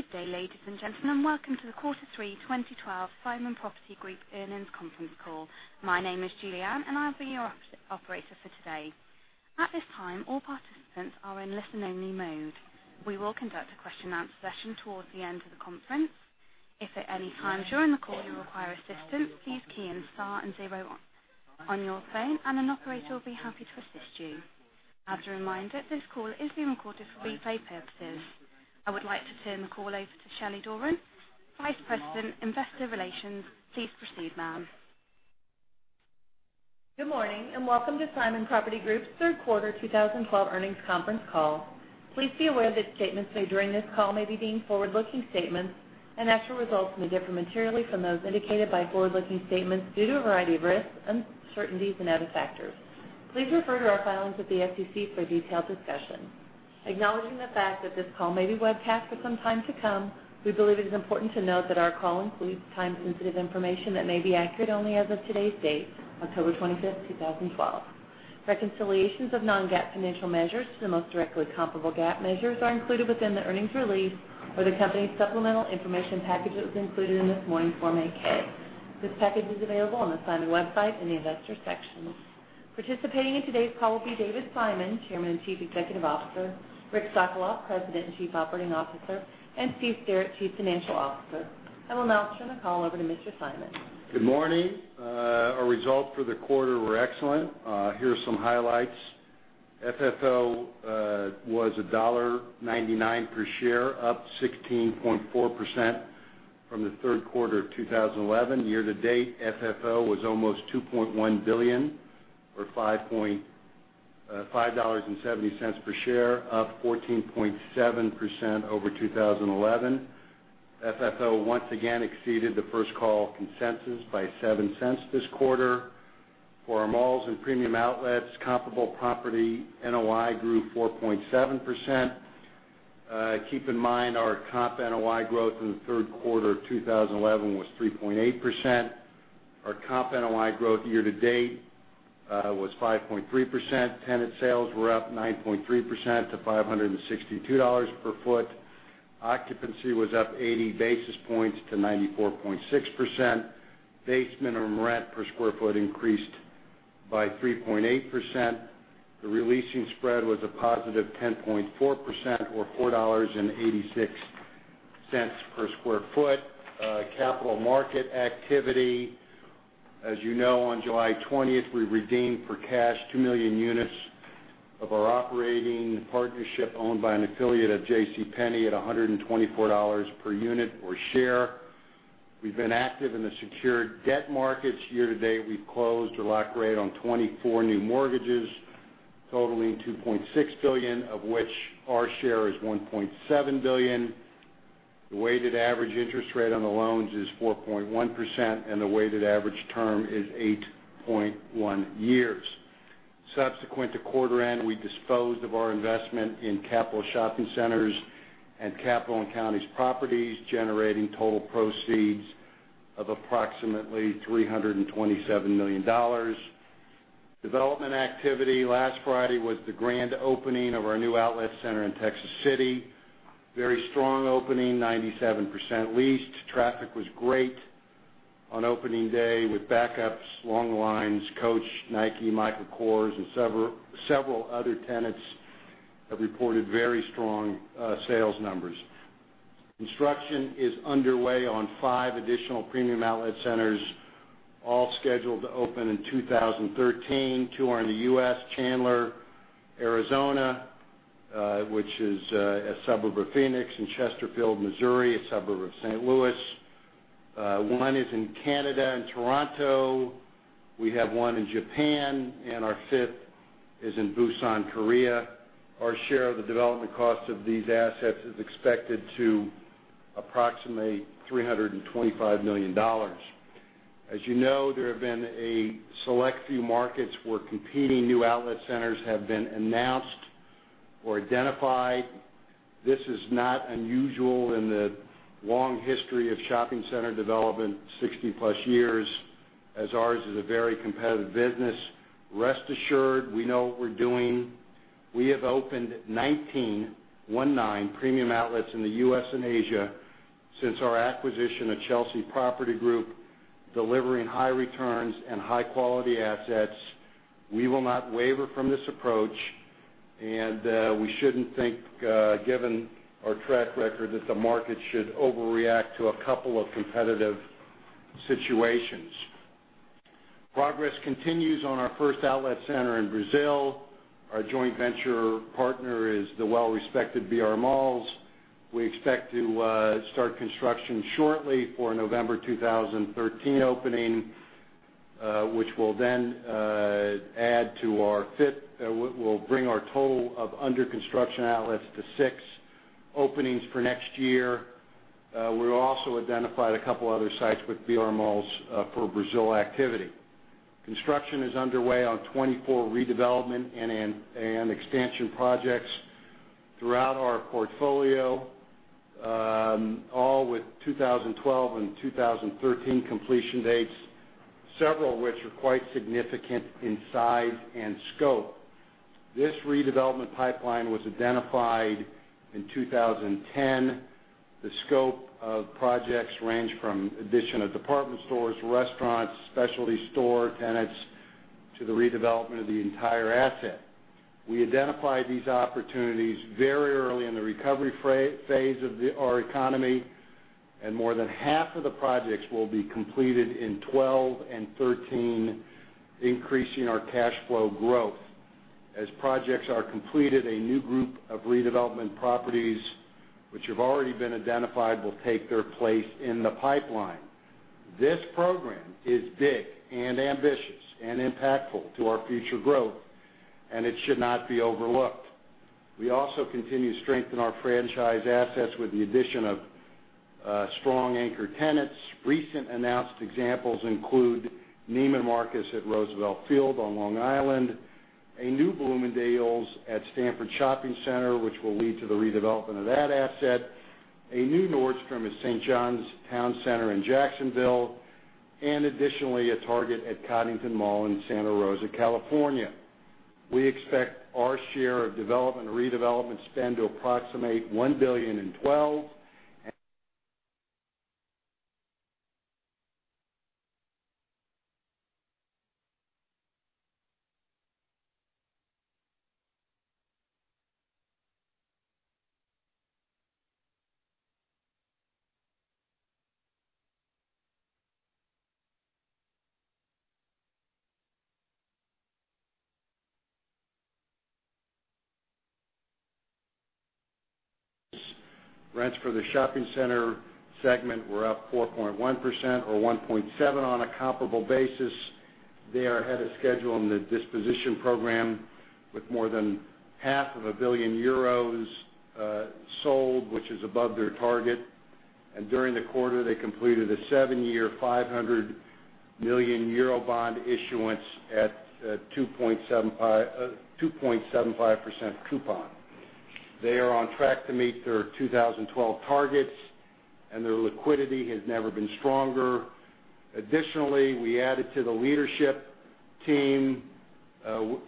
Good day, ladies and gentlemen. Welcome to the Quarter 3 2012 Simon Property Group Earnings Conference Call. My name is Julianne, and I'll be your Operator for today. At this time, all participants are in listen-only mode. We will conduct a question and answer session towards the end of the conference. If at any time during the call you require assistance, please key in star and zero on your phone, and an Operator will be happy to assist you. As a reminder, this call is being recorded for replay purposes. I would like to turn the call over to Shelly Doran, Vice President, Investor Relations. Please proceed, ma'am. Good morning. Welcome to Simon Property Group's Third Quarter 2012 Earnings Conference Call. Please be aware that statements made during this call may be deemed forward-looking statements, and actual results may differ materially from those indicated by forward-looking statements due to a variety of risks, uncertainties and other factors. Please refer to our filings with the SEC for detailed discussion. Acknowledging the fact that this call may be webcast for some time to come, we believe it is important to note that our call includes time-sensitive information that may be accurate only as of today's date, October 25, 2012. Reconciliations of non-GAAP financial measures to the most directly comparable GAAP measures are included within the earnings release or the company's supplemental information package that was included in this morning's Form 8-K. This package is available on the Simon website in the investor section. Participating in today's call will be David Simon, Chairman and Chief Executive Officer, Richard Sokolov, President and Chief Operating Officer, and Stephen Sterrett, Chief Financial Officer. I will now turn the call over to Mr. Simon. Good morning. Our results for the quarter were excellent. Here are some highlights. FFO was $1.99 per share, up 16.4% from the third quarter of 2011. Year-to-date, FFO was almost $2.1 billion, or $5.70 per share, up 14.7% over 2011. FFO once again exceeded the first call consensus by $0.07 this quarter. For our malls and premium outlets, comparable property NOI grew 4.7%. Keep in mind, our comp NOI growth in the third quarter of 2011 was 3.8%. Our comp NOI growth year-to-date was 5.3%. Tenant sales were up 9.3% to $562 per foot. Occupancy was up 80 basis points to 94.6%. Base minimum rent per square foot increased by 3.8%. The re-leasing spread was a positive 10.4%, or $4.86 per square foot. Capital market activity. As you know, on July 20th, we redeemed for cash 2 million units of our operating partnership owned by an affiliate of JCPenney at $124 per unit or share. We've been active in the secured debt markets. Year to date, we've closed or locked rate on 24 new mortgages, totaling $2.6 billion, of which our share is $1.7 billion. The weighted average interest rate on the loans is 4.1%, and the weighted average term is 8.1 years. Subsequent to quarter end, we disposed of our investment in Capital Shopping Centres and Capital & Counties Properties, generating total proceeds of approximately $327 million. Development activity. Last Friday was the grand opening of our new outlet center in Texas City. Very strong opening, 97% leased. Traffic was great on opening day with backups, long lines. Coach, Nike, Michael Kors and several other tenants have reported very strong sales numbers. Construction is underway on five additional premium outlet centers, all scheduled to open in 2013. Two are in the U.S., Chandler, Arizona, which is a suburb of Phoenix, and Chesterfield, Missouri, a suburb of St. Louis. One is in Canada, in Toronto. We have one in Japan, and our fifth is in Busan, Korea. Our share of the development cost of these assets is expected to approximately $325 million. As you know, there have been a select few markets where competing new outlet centers have been announced or identified. This is not unusual in the long history of shopping center development, 60-plus years, as ours is a very competitive business. Rest assured, we know what we're doing. We have opened 19, 1-9, premium outlets in the U.S. and Asia since our acquisition of Chelsea Property Group, delivering high returns and high-quality assets. We will not waver from this approach. We shouldn't think, given our track record, that the market should overreact to a couple of competitive situations. Progress continues on our first outlet center in Brazil. Our joint venture partner is the well-respected BR Malls. We expect to start construction shortly for a November 2013 opening, which will bring our total of under construction outlets to six openings for next year. We've also identified a couple other sites with BR Malls for Brazil activity. Construction is underway on 24 redevelopment and expansion projects throughout our portfolio, all with 2012 and 2013 completion dates, several which are quite significant in size and scope. This redevelopment pipeline was identified in 2010. The scope of projects range from addition of department stores, restaurants, specialty store tenants, to the redevelopment of the entire asset. We identified these opportunities very early in the recovery phase of our economy. More than half of the projects will be completed in 2012 and 2013, increasing our cash flow growth. As projects are completed, a new group of redevelopment properties, which have already been identified, will take their place in the pipeline. This program is big and ambitious and impactful to our future growth. It should not be overlooked. We also continue to strengthen our franchise assets with the addition of strong anchor tenants. Recent announced examples include Neiman Marcus at Roosevelt Field on Long Island, a new Bloomingdale's at Stanford Shopping Center, which will lead to the redevelopment of that asset, a new Nordstrom at St. Johns Town Center in Jacksonville, and additionally, a Target at Coddington Mall in Santa Rosa, California. We expect our share of development or redevelopment spend to approximate $1 billion in 2012. Rents for the shopping center segment were up 4.1%, or 1.7% on a comparable basis. They are ahead of schedule on the disposition program, with more than half of a billion euros sold, which is above their target. During the quarter, they completed a seven-year, 500 million euro bond issuance at 2.75% coupon. They are on track to meet their 2012 targets, and their liquidity has never been stronger. Additionally, we added to the leadership team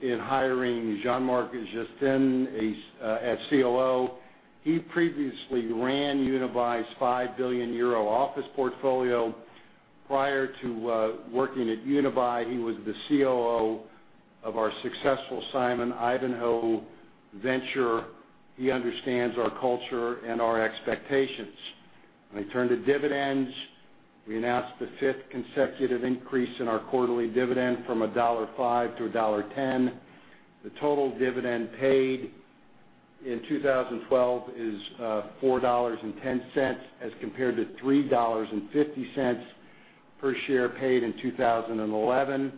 in hiring Jean-Marc Jestin as COO. He previously ran Unibail's 5 billion euro office portfolio. Prior to working at Unibail, he was the COO of our successful Simon Ivanhoe venture. He understands our culture and our expectations. Let me turn to dividends. We announced the fifth consecutive increase in our quarterly dividend from $1.05 to $1.10. The total dividend paid in 2012 is $4.10, as compared to $3.50 per share paid in 2011.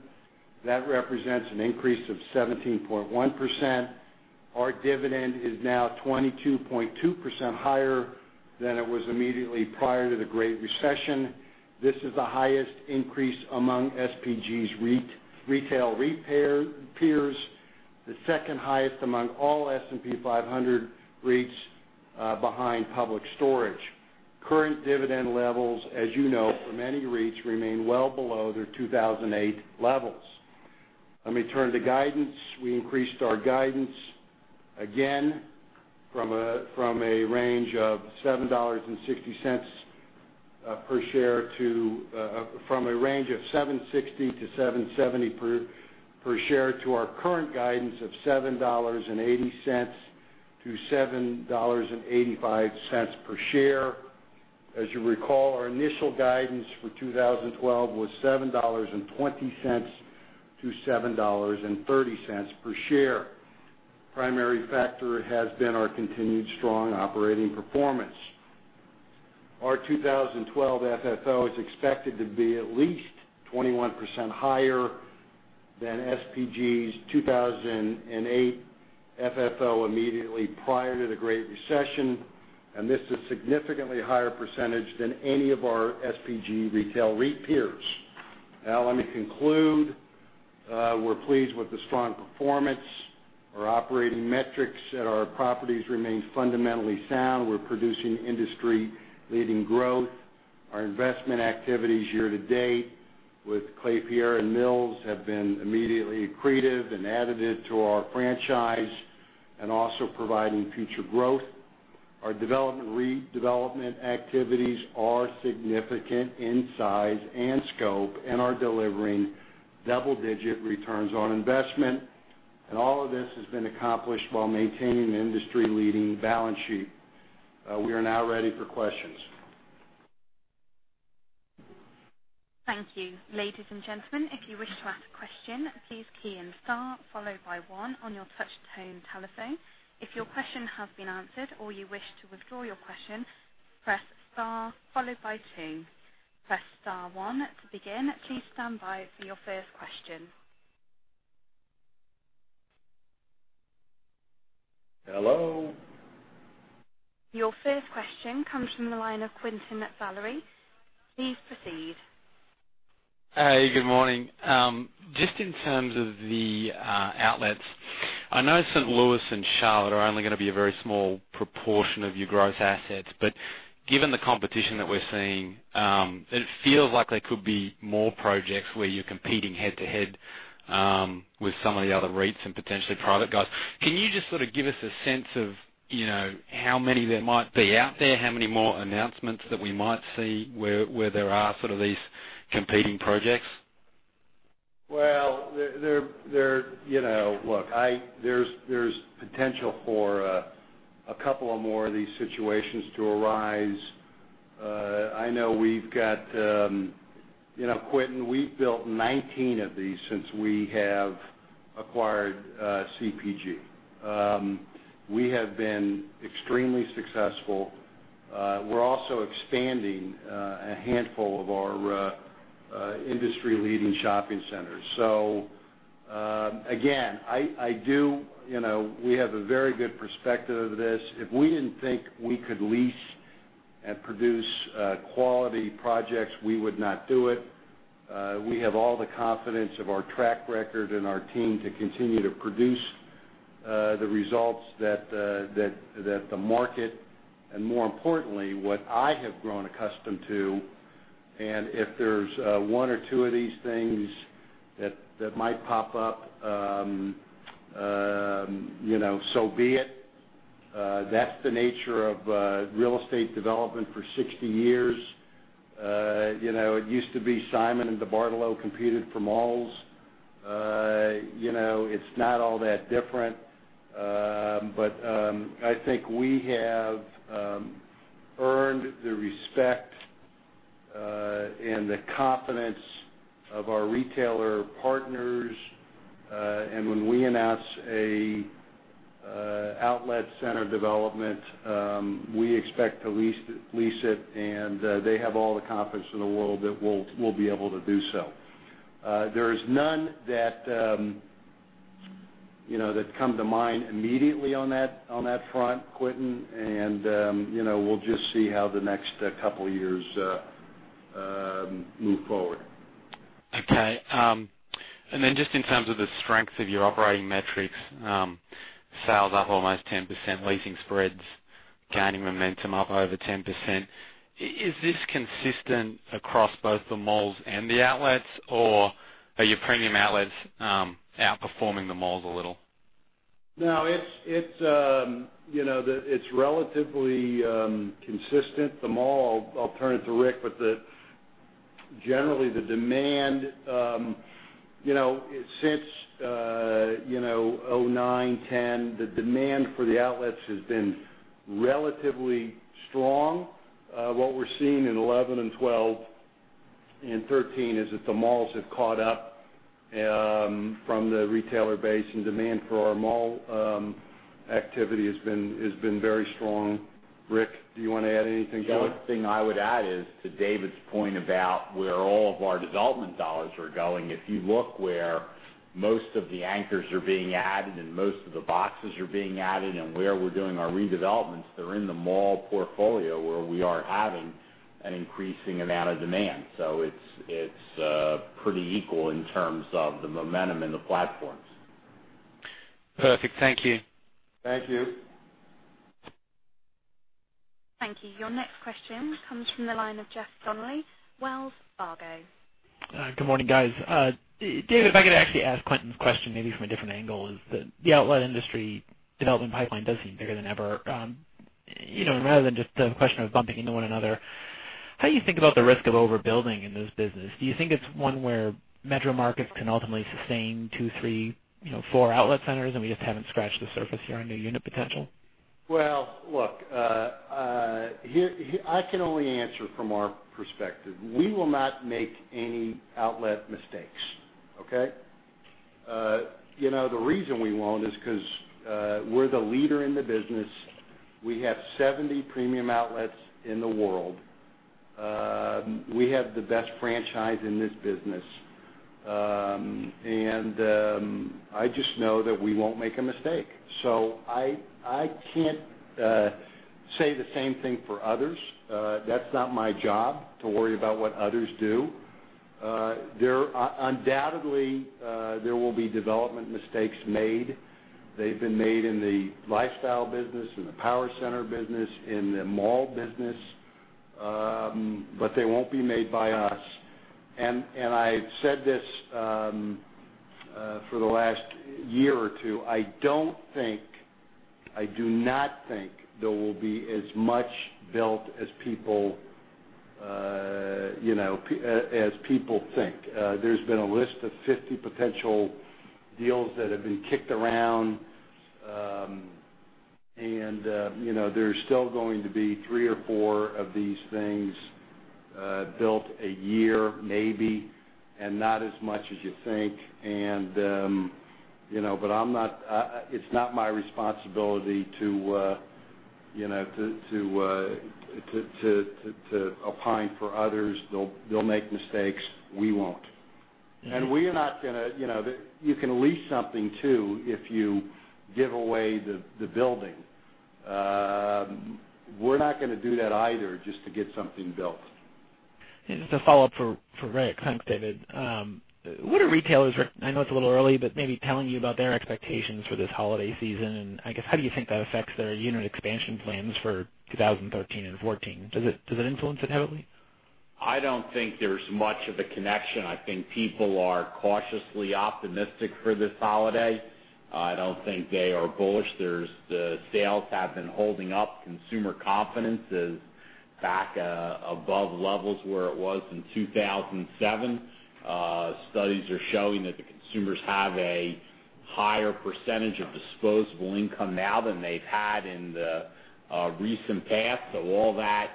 That represents an increase of 17.1%. Our dividend is now 22.2% higher than it was immediately prior to the Great Recession. This is the highest increase among SPG's retail REIT peers, the second highest among all S&P 500 REITs behind Public Storage. Current dividend levels, as you know, for many REITs remain well below their 2008 levels. Let me turn to guidance. We increased our guidance again from a range of $7.60 to $7.70 per share, to our current guidance of $7.80 to $7.85 per share. As you recall, our initial guidance for 2012 was $7.20 to $7.30 per share. Primary factor has been our continued strong operating performance. Our 2012 FFO is expected to be at least 21% higher than SPG's 2008 FFO immediately prior to the Great Recession. This is a significantly higher percentage than any of our SPG retail REIT peers. Let me conclude. We're pleased with the strong performance. Our operating metrics at our properties remain fundamentally sound. We're producing industry-leading growth. Our investment activities year to date with Klépierre and The Mills have been immediately accretive and additive to our franchise and also providing future growth. Our development, redevelopment activities are significant in size and scope and are delivering double-digit returns on investment. All of this has been accomplished while maintaining an industry-leading balance sheet. We are now ready for questions. Thank you. Ladies and gentlemen, if you wish to ask a question, please key in star followed by one on your touch tone telephone. If your question has been answered or you wish to withdraw your question, press star followed by two. Press star one to begin. Please stand by for your first question. Hello. Your first question comes from the line of Quentin Velleley. Please proceed. Hey, good morning. Just in terms of the outlets, I know St. Louis and Charlotte are only going to be a very small proportion of your gross assets. Given the competition that we're seeing, it feels like there could be more projects where you're competing head-to-head with some of the other REITs and potentially private guys. Can you just sort of give us a sense of how many there might be out there, how many more announcements that we might see where there are sort of these competing projects? Look, there's potential for a couple of more of these situations to arise. I know we've got Quentin, we've built 19 of these since we have acquired CPG. We have been extremely successful. We're also expanding a handful of our industry-leading shopping centers. Again, we have a very good perspective of this. If we didn't think we could lease and produce quality projects, we would not do it. We have all the confidence of our track record and our team to continue to produce the results that the market, and more importantly, what I have grown accustomed to, and if there's one or two of these things that might pop up, so be it. That's the nature of real estate development for 60 years. It used to be Simon and DeBartolo competed for malls. It's not all that different. I think we have earned the respect and the confidence of our retailer partners, and when we announce a outlet center development, we expect to lease it, and they have all the confidence in the world that we'll be able to do so. There is none that come to mind immediately on that front, Quentin, and we'll just see how the next couple of years move forward. Okay. Then just in terms of the strength of your operating metrics, sales up almost 10%, leasing spreads gaining momentum up over 10%. Is this consistent across both the malls and the outlets, or are your premium outlets outperforming the malls a little? No, it's relatively consistent. The mall, I'll turn it to Rick, generally, since 2009, 2010, the demand for the outlets has been relatively strong. What we're seeing in 2011 and 2012 and 2013 is that the malls have caught up from the retailer base and demand for our mall activity has been very strong. Rick, do you want to add anything to it? The only thing I would add is to David's point about where all of our development dollars are going. If you look where most of the anchors are being added and most of the boxes are being added and where we're doing our redevelopments, they're in the mall portfolio where we are having an increasing amount of demand. It's pretty equal in terms of the momentum in the platforms. Perfect. Thank you. Thank you. Thank you. Your next question comes from the line of Jeff Donnelly, Wells Fargo. Good morning, guys. David, if I could actually ask Quentin's question maybe from a different angle is that the outlet industry development pipeline does seem bigger than ever. Rather than just the question of bumping into one another, how do you think about the risk of overbuilding in this business? Do you think it's one where metro markets can ultimately sustain two, three, four outlet centers and we just haven't scratched the surface here on new unit potential? Well, look, I can only answer from our perspective. We will not make any outlet mistakes. Okay? The reason we won't is because we're the leader in the business. We have 70 premium outlets in the world. We have the best franchise in this business. I just know that we won't make a mistake. I can't say the same thing for others. That's not my job to worry about what others do. Undoubtedly, there will be development mistakes made. They've been made in the lifestyle business, in the power center business, in the mall business, but they won't be made by us. I've said this for the last year or two, I do not think there will be as much built as people think. There's been a list of 50 potential deals that have been kicked around. There's still going to be three or four of these things built a year, maybe, not as much as you think. It's not my responsibility to opine for others. They'll make mistakes. We won't. We are not going to You can lease something too if you give away the building. We're not going to do that either just to get something built. Just a follow-up for Rick. Thanks, David. What are retailers, I know it's a little early, but maybe telling you about their expectations for this holiday season? I guess, how do you think that affects their unit expansion plans for 2013 and 2014? Does it influence it heavily? I don't think there's much of a connection. I think people are cautiously optimistic for this holiday. I don't think they are bullish. The sales have been holding up. Consumer confidence is back above levels where it was in 2007. Studies are showing that the consumers have a higher percentage of disposable income now than they've had in the recent past. All that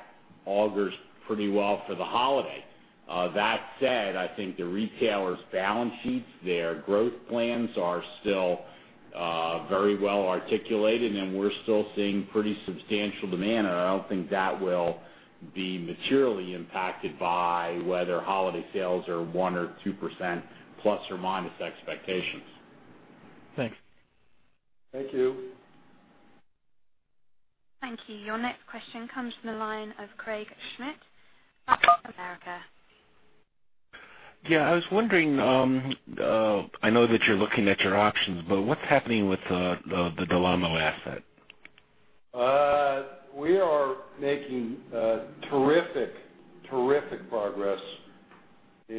augers pretty well for the holiday. That said, I think the retailers' balance sheets, their growth plans are still very well articulated. We're still seeing pretty substantial demand. I don't think that will be materially impacted by whether holiday sales are 1% or 2% plus or minus expectations. Thanks. Thank you. Thank you. Your next question comes from the line of Craig Schmidt, Bank of America. Yeah, I was wondering, I know that you're looking at your options, but what's happening with the Del Amo asset? We are making terrific progress. The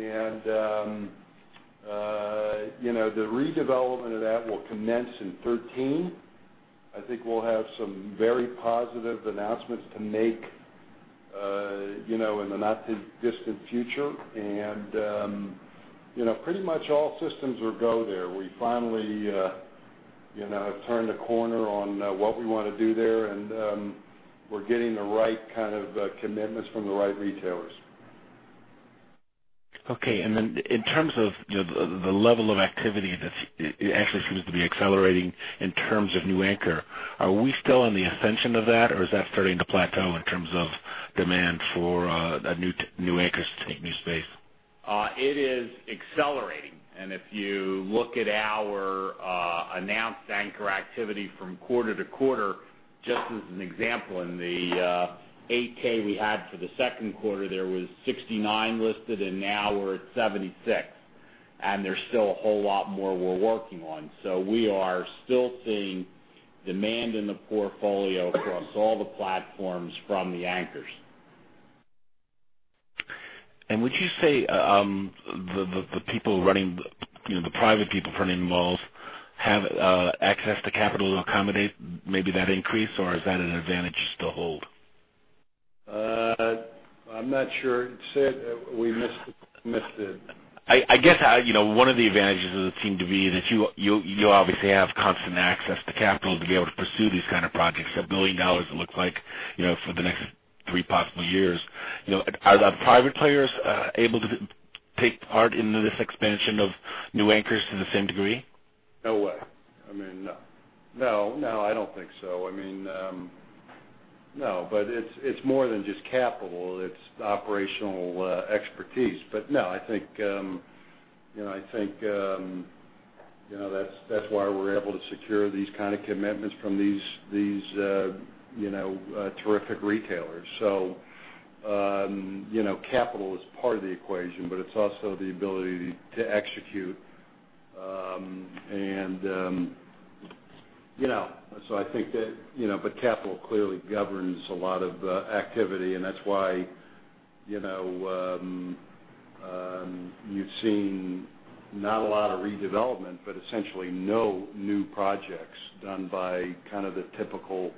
redevelopment of that will commence in 2013. I think we'll have some very positive announcements to make in the not too distant future. Pretty much all systems are go there. We finally have turned a corner on what we want to do there, and we're getting the right kind of commitments from the right retailers. Okay. Then in terms of the level of activity that's actually seems to be accelerating in terms of new anchor, are we still on the ascension of that, or is that starting to plateau in terms of demand for new anchors to take new space? It is accelerating. If you look at our announced anchor activity from quarter to quarter, just as an example, in the 8-K we had for the second quarter, there was 69 listed, now we're at 76, and there's still a whole lot more we're working on. We are still seeing demand in the portfolio across all the platforms from the anchors. Would you say the private people running malls have access to capital to accommodate maybe that increase, or is that an advantage just to hold? I'm not sure, Say it, we missed it. I guess, one of the advantages it would seem to be that you obviously have constant access to capital to be able to pursue these kind of projects, $1 billion it looks like, for the next three possible years. Are the private players able to take part in this expansion of new anchors to the same degree? No way. No, I don't think so. No. It's more than just capital, it's operational expertise. No, I think that's why we're able to secure these kind of commitments from these terrific retailers. Capital is part of the equation, but it's also the ability to execute. Capital clearly governs a lot of activity, and that's why you've seen not a lot of redevelopment, but essentially no new projects done by kind of the typical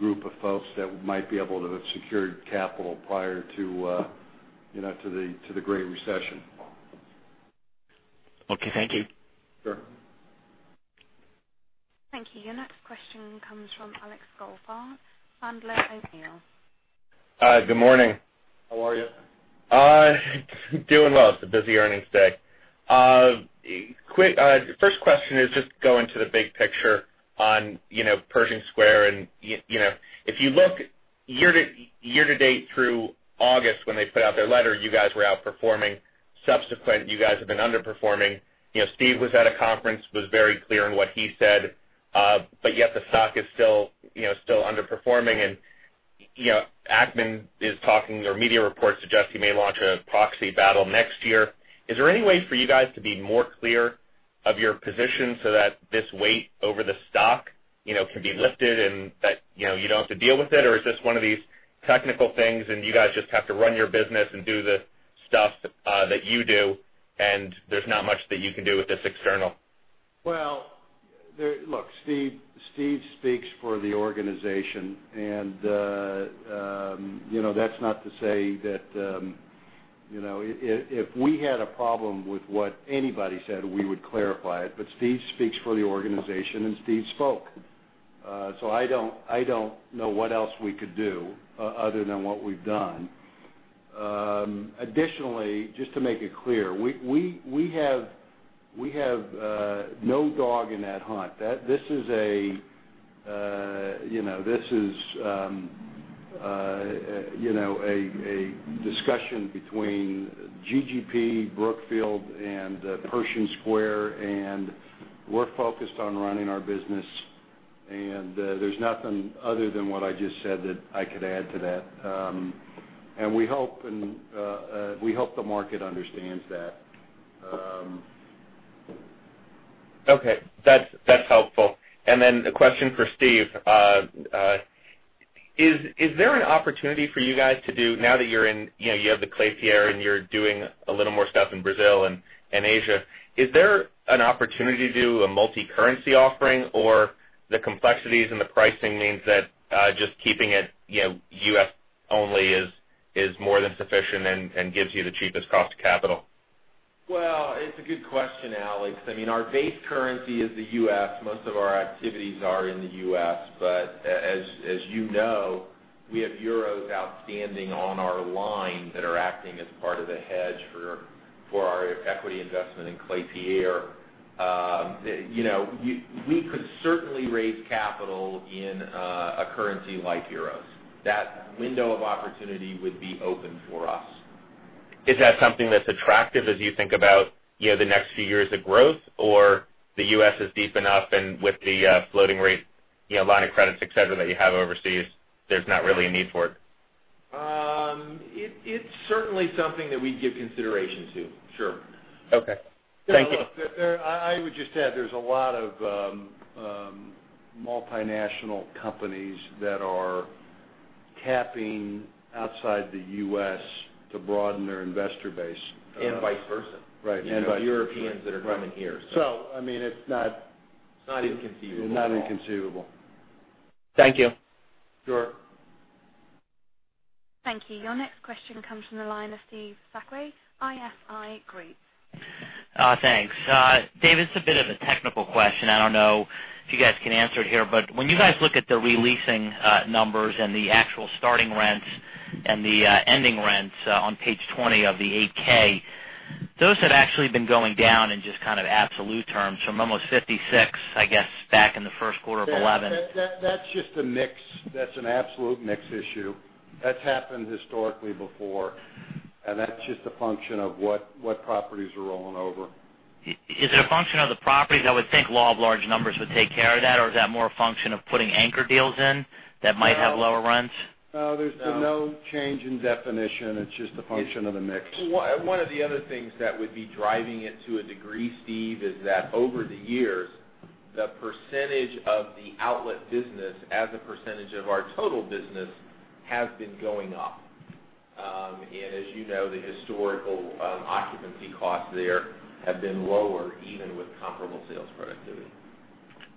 group of folks that might be able to have secured capital prior to the Great Recession. Okay. Thank you. Sure. Thank you. Your next question comes from Alex Goldfarb, Sandler O'Neill. Hi, good morning. How are you? Doing well. It's a busy earnings day. First question is just to go into the big picture on Pershing Square, and if you look year to date through August when they put out their letter, you guys were outperforming. Subsequent, you guys have been underperforming. Steve was at a conference, was very clear on what he said. Yet the stock is still underperforming and Ackman is talking, or media reports suggest he may launch a proxy battle next year. Is there any way for you guys to be more clear of your position so that this weight over the stock can be lifted, and that you don't have to deal with it, or is this one of these technical things, and you guys just have to run your business and do the stuff that you do, and there's not much that you can do with this external? Well, look, Steve speaks for the organization, and that's not to say that If we had a problem with what anybody said, we would clarify it, but Steve speaks for the organization, and Steve spoke. I don't know what else we could do other than what we've done. Additionally, just to make it clear, we have We have no dog in that hunt. This is a discussion between GGP, Brookfield, and Pershing Square, and we're focused on running our business. There's nothing other than what I just said that I could add to that. We hope the market understands that. Okay. That's helpful. Then a question for Steve. Is there an opportunity for you guys, now that you have the Klépierre and you're doing a little more stuff in Brazil and Asia, is there an opportunity to do a multicurrency offering? Or the complexities and the pricing means that just keeping it U.S. only is more than sufficient and gives you the cheapest cost to capital? Well, it's a good question, Alex. Our base currency is the U.S. Most of our activities are in the U.S. As you know, we have euros outstanding on our line that are acting as part of the hedge for our equity investment in Klépierre. We could certainly raise capital in a currency like euros. That window of opportunity would be open for us. Is that something that's attractive as you think about the next few years of growth, or the U.S. is deep enough, and with the floating rate, line of credits, et cetera, that you have overseas, there's not really a need for it? It's certainly something that we'd give consideration to, sure. Okay. Thank you. Look, I would just add, there's a lot of multinational companies that are tapping outside the U.S. to broaden their investor base. Vice versa. Right. You have Europeans that are coming here. it's not. It's not inconceivable It's not inconceivable. Thank you. Sure. Thank you. Your next question comes from the line of Steve Sakwa, ISI Group. Thanks. Dave, this is a bit of a technical question. I don't know if you guys can answer it here, but when you guys look at the re-leasing numbers and the actual starting rents and the ending rents on page 20 of the 8-K, those had actually been going down in just kind of absolute terms from almost $56, I guess, back in the first quarter of 2011. That's just a mix. That's an absolute mix issue. That's happened historically before, and that's just a function of what properties are rolling over. Is it a function of the properties? I would think law of large numbers would take care of that, or is that more a function of putting anchor deals in that might have lower rents? No, there's been no change in definition. It's just a function of the mix. One of the other things that would be driving it to a degree, Steve, is that over the years, the percentage of the outlet business as a percentage of our total business has been going up. As you know, the historical occupancy costs there have been lower, even with comparable sales productivity.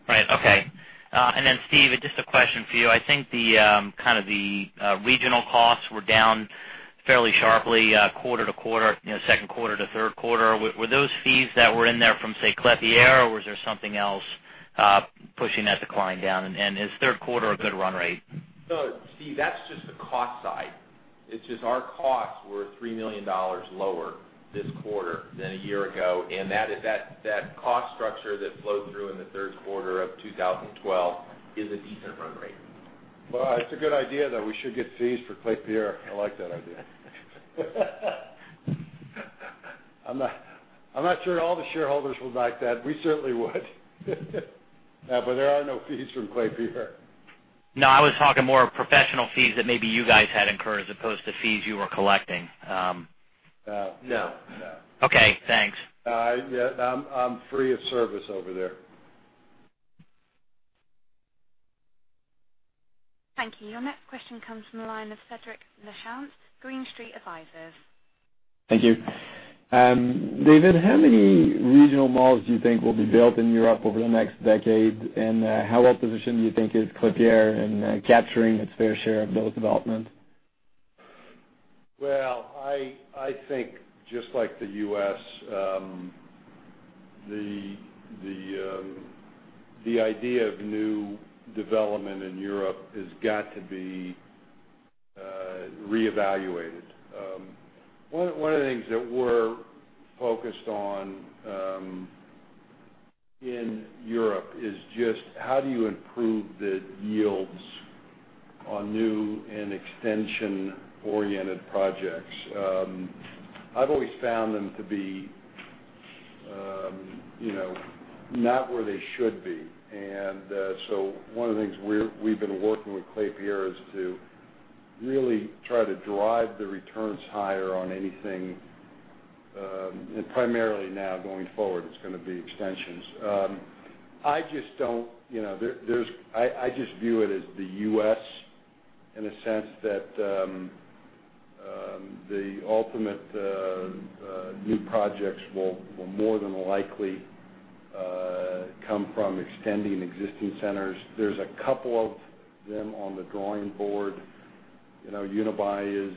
Right. Okay. Then Steve, just a question for you. I think the regional costs were down fairly sharply quarter-to-quarter, second quarter to third quarter. Were those fees that were in there from, say, Klépierre, or was there something else pushing that decline down? Is third quarter a good run rate? No, Steve, that's just the cost side. It's just our costs were $3 million lower this quarter than a year ago. That cost structure that flowed through in the third quarter of 2012 is a decent run rate. It's a good idea, though. We should get fees for Klépierre. I like that idea. I'm not sure all the shareholders would like that. We certainly would. There are no fees from Klépierre. I was talking more of professional fees that maybe you guys had incurred as opposed to fees you were collecting. No. No. Thanks. I'm free of service over there. Thank you. Your next question comes from the line of Cedrik Lachance, Green Street Advisors. Thank you. David, how many regional malls do you think will be built in Europe over the next decade? How well-positioned do you think is Klépierre in capturing its fair share of those developments? Well, I think just like the U.S., the idea of new development in Europe has got to be reevaluated. One of the things that we're focused on in Europe is just how do you improve the yields on new and extension-oriented projects. I've always found them to be not where they should be. One of the things we've been working with Klépierre is to really try to drive the returns higher on anything, and primarily now going forward, it's going to be extensions. I just view it as the U.S. in a sense that the ultimate new projects will more than likely come from extending existing centers. There's a couple of them on the drawing board. Unibail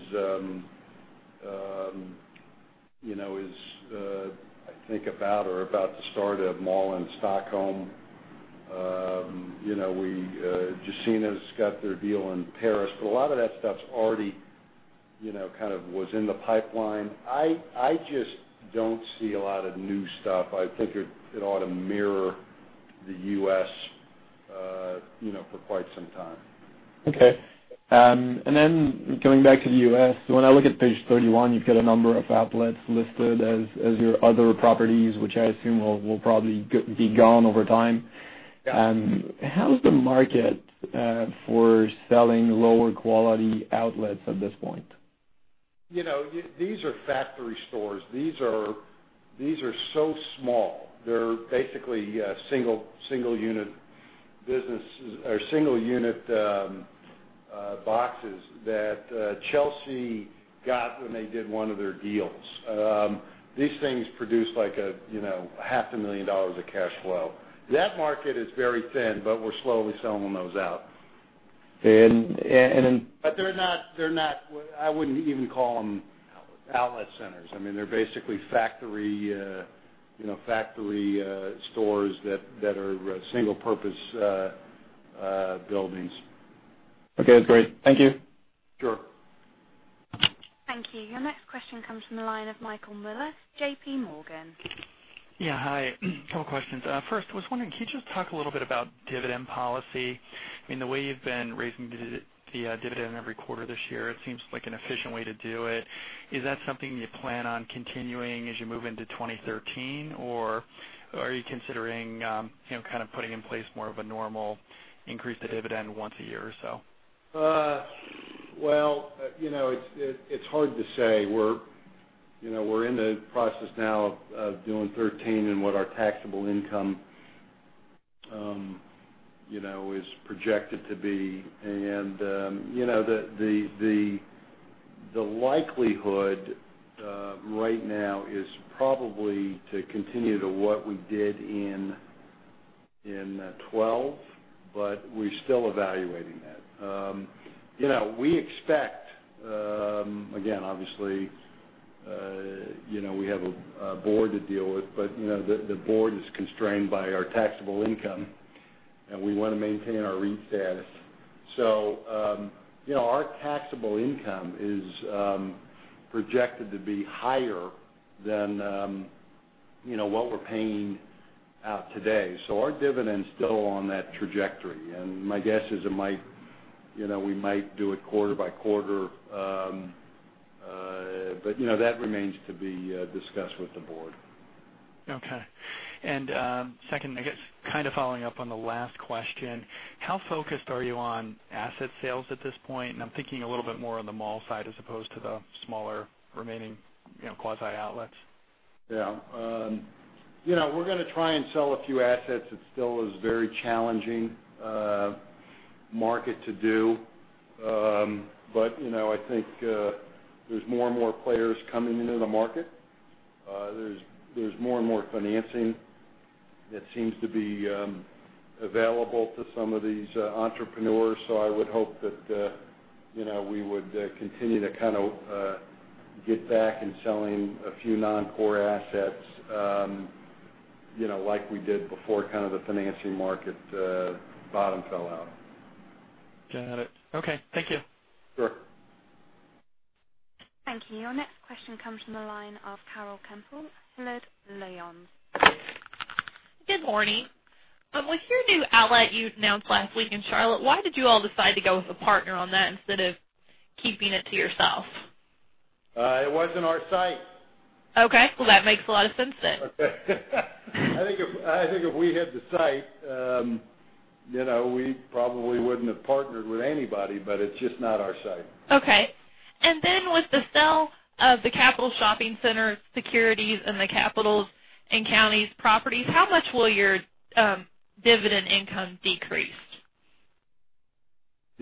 is, I think about or about to start a mall in Stockholm. Gecina's got their deal in Paris. A lot of that stuff's already kind of was in the pipeline. I just don't see a lot of new stuff. I think it ought to mirror the U.S. for quite some time. Okay. Going back to the U.S., when I look at page 31, you've got a number of outlets listed as your other properties, which I assume will probably be gone over time. Yeah. How's the market for selling lower quality outlets at this point? These are factory stores. These are so small. They're basically single unit boxes that Chelsea got when they did one of their deals. These things produce half a million dollars of cash flow. That market is very thin, but we're slowly selling those out. And- I wouldn't even call them. Outlets outlet centers. They're basically factory stores that are single purpose buildings. Okay. That's great. Thank you. Sure. Thank you. Your next question comes from the line of Michael Mueller, J.P. Morgan. Yeah, hi. A couple of questions. First, I was wondering, could you just talk a little bit about dividend policy? I mean, the way you've been raising the dividend every quarter this year, it seems like an efficient way to do it. Is that something you plan on continuing as you move into 2013, or are you considering putting in place more of a normal increase to dividend once a year or so? Well, it's hard to say. We're in the process now of doing 2013 and what our taxable income is projected to be. The likelihood right now is probably to continue to what we did in 2012, but we're still evaluating that. We expect, again, obviously, we have a board to deal with, but the board is constrained by our taxable income, and we want to maintain our REIT status. Our taxable income is projected to be higher than what we're paying out today. Our dividend's still on that trajectory. My guess is we might do it quarter by quarter. That remains to be discussed with the board. Okay. Second, I guess, kind of following up on the last question, how focused are you on asset sales at this point? I'm thinking a little bit more on the mall side as opposed to the smaller remaining quasi outlets. Yeah. We're going to try and sell a few assets. It still is very challenging market to do. I think there's more and more players coming into the market. There's more and more financing that seems to be available to some of these entrepreneurs. I would hope that we would continue to kind of get back and selling a few non-core assets, like we did before the financing market bottom fell out. Got it. Okay. Thank you. Sure. Thank you. Your next question comes from the line of Carol Kemple, Hilliard Lyons. Good morning. With your new outlet you announced last week in Charlotte, why did you all decide to go with a partner on that instead of keeping it to yourself? It wasn't our site. Okay. Well, that makes a lot of sense then. I think if we had the site, we probably wouldn't have partnered with anybody, but it's just not our site. Okay. With the sale of the Capital Shopping Centres securities and the Capital & Counties Properties, how much will your dividend income decrease?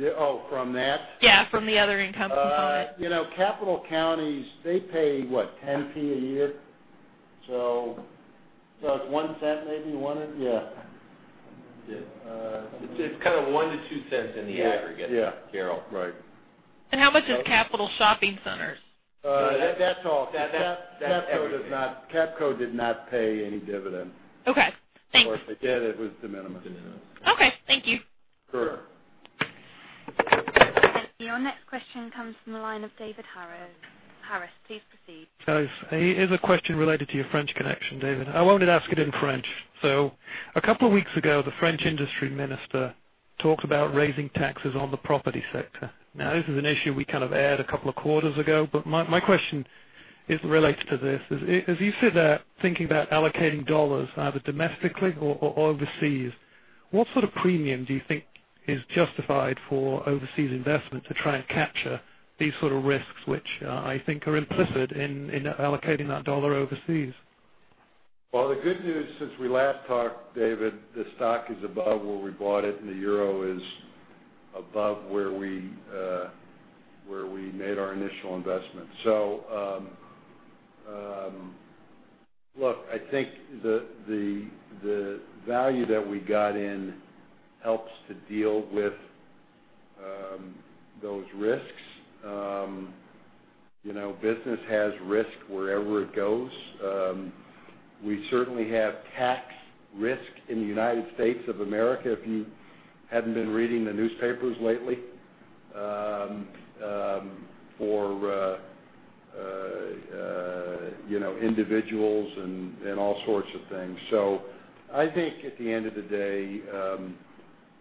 Oh, from that? Yeah, from the other income component. Capital & Counties, they pay, what, 0.10 a year? It's $0.01 maybe. One, yeah. It's kind of $0.01-$0.02 in the aggregate. Yeah Carol. Right. How much is Capital Shopping Centres? That's all. That's everything. CapCo did not pay any dividends. Okay. Thank you. Of course, if it did, it was de minimis. De minimis. Okay, thank you. Sure. Thank you. Your next question comes from the line of David Harris. Harris, please proceed. Guys, here's a question related to your French connection, David. I wanted to ask it in French. A couple of weeks ago, the French industry minister talked about raising taxes on the property sector. This is an issue we kind of aired a couple of quarters ago, but my question is related to this. As you sit there thinking about allocating dollars either domestically or overseas, what sort of premium do you think is justified for overseas investment to try and capture these sort of risks, which I think are implicit in allocating that dollar overseas? Well, the good news since we last talked, David, the stock is above where we bought it, and the euro is above where we made our initial investment. Look, I think the value that we got in helps to deal with those risks. Business has risk wherever it goes. We certainly have tax risk in the U.S. of America, if you haven't been reading the newspapers lately, for individuals and all sorts of things. I think at the end of the day,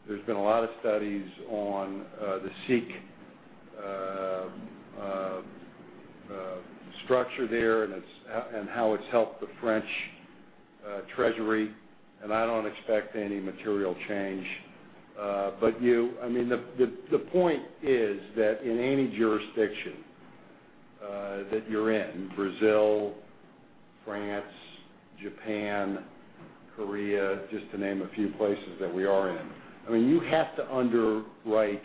there's been a lot of studies on the SIIC structure there, and how it's helped the French treasury, and I don't expect any material change. The point is that in any jurisdiction that you're in, Brazil, France, Japan, Korea, just to name a few places that we are in, you have to underwrite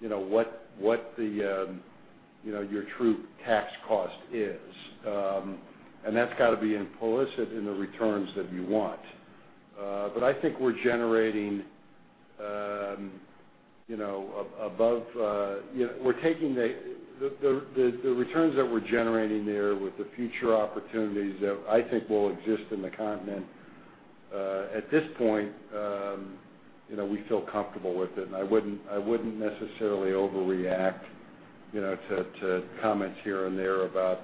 what your true tax cost is. That's got to be implicit in the returns that you want. I think the returns that we're generating there with the future opportunities that I think will exist in the continent, at this point, we feel comfortable with it, and I wouldn't necessarily overreact to comments here and there about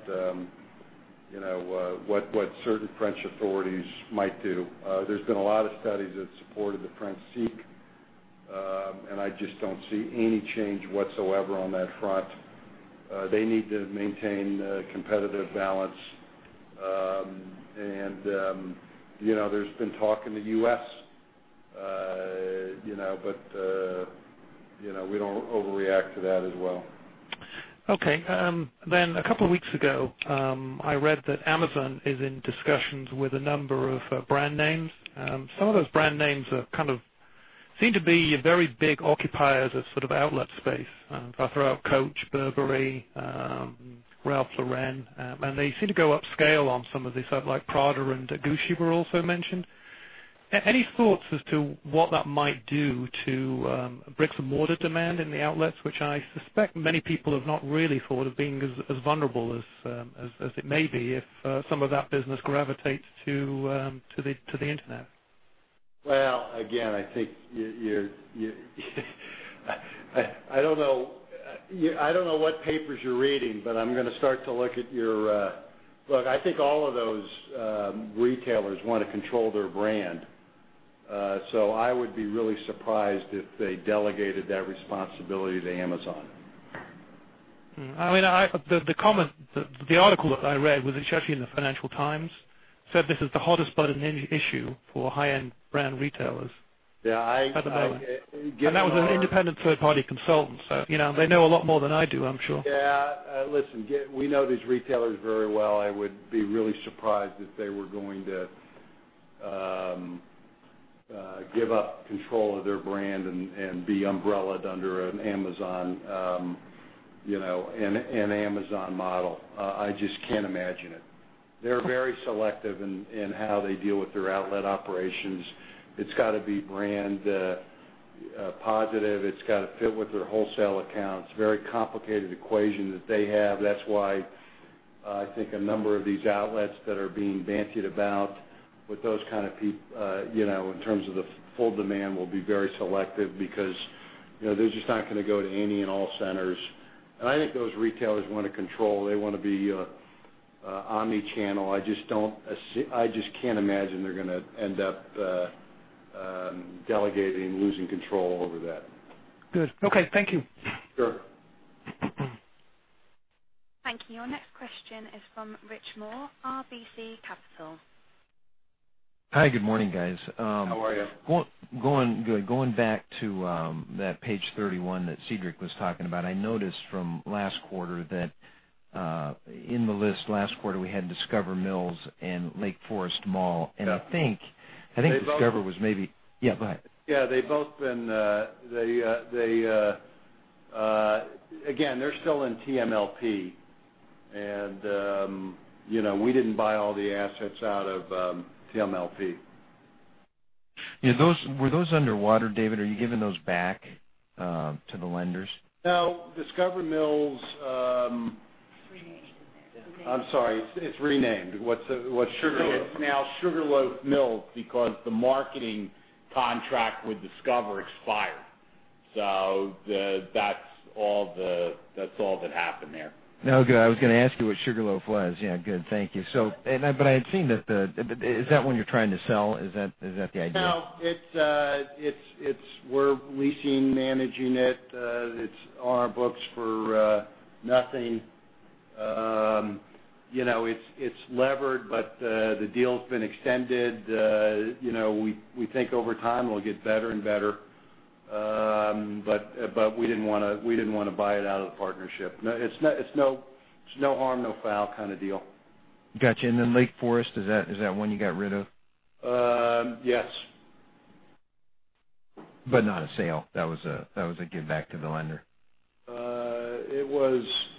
what certain French authorities might do. There's been a lot of studies that supported the French SIIC, and I just don't see any change whatsoever on that front. They need to maintain competitive balance. There's been talk in the U.S., but we don't overreact to that as well. Okay. A couple of weeks ago, I read that Amazon is in discussions with a number of brand names. Some of those brand names seem to be very big occupiers of outlet space. If I throw out Coach, Burberry, Ralph Lauren, and they seem to go upscale on some of these. Prada and Gucci were also mentioned. Any thoughts as to what that might do to bricks-and-mortar demand in the outlets, which I suspect many people have not really thought of being as vulnerable as it may be if some of that business gravitates to the internet. Well, again, I don't know what papers you're reading. I think all of those retailers want to control their brand. I would be really surprised if they delegated that responsibility to Amazon. The article that I read, it was actually in the "Financial Times," said this is the hottest button issue for high-end brand retailers at the moment. Yeah. That was an independent third-party consultant. They know a lot more than I do, I'm sure. Yeah. Listen, we know these retailers very well. I would be really surprised if they were going to give up control of their brand and be umbrella-ed under an Amazon model. I just can't imagine it. They're very selective in how they deal with their outlet operations. It's got to be brand positive. It's got to fit with their wholesale accounts. Very complicated equation that they have. That's why I think a number of these outlets that are being bandied about in terms of the full demand will be very selective because they're just not going to go to any and all centers. I think those retailers want to control. They want to be omnichannel. I just can't imagine they're going to end up delegating, losing control over that. Good. Okay. Thank you. Sure. Thank you. Your next question is from Rich Moore, RBC Capital. Hi. Good morning, guys. How are you? Going good. Going back to that page 31 that Cedrik was talking about, I noticed from last quarter that in the list last quarter, we had Discover Mills and Lake Forest Mall. Yeah. I think Discover was maybe Yeah, go ahead. Yeah, again, they're still in TMLP, we didn't buy all the assets out of TMLP. Yeah. Were those underwater, David? Are you giving those back to the lenders? No, Discover Mills. It's renamed, isn't it? I'm sorry, it's renamed. It's now Sugarloaf Mills because the marketing contract with Discover expired. That's all that happened there. No, good. I was going to ask you what Sugarloaf was. Yeah, good. Thank you. Is that one you're trying to sell? Is that the idea? No, we're leasing, managing it. It's on our books for nothing. It's levered. The deal's been extended. We think over time it'll get better and better. We didn't want to buy it out of the partnership. It's no harm, no foul kind of deal. Got you. Lake Forest, is that one you got rid of? Yes. Not a sale. That was a give back to the lender.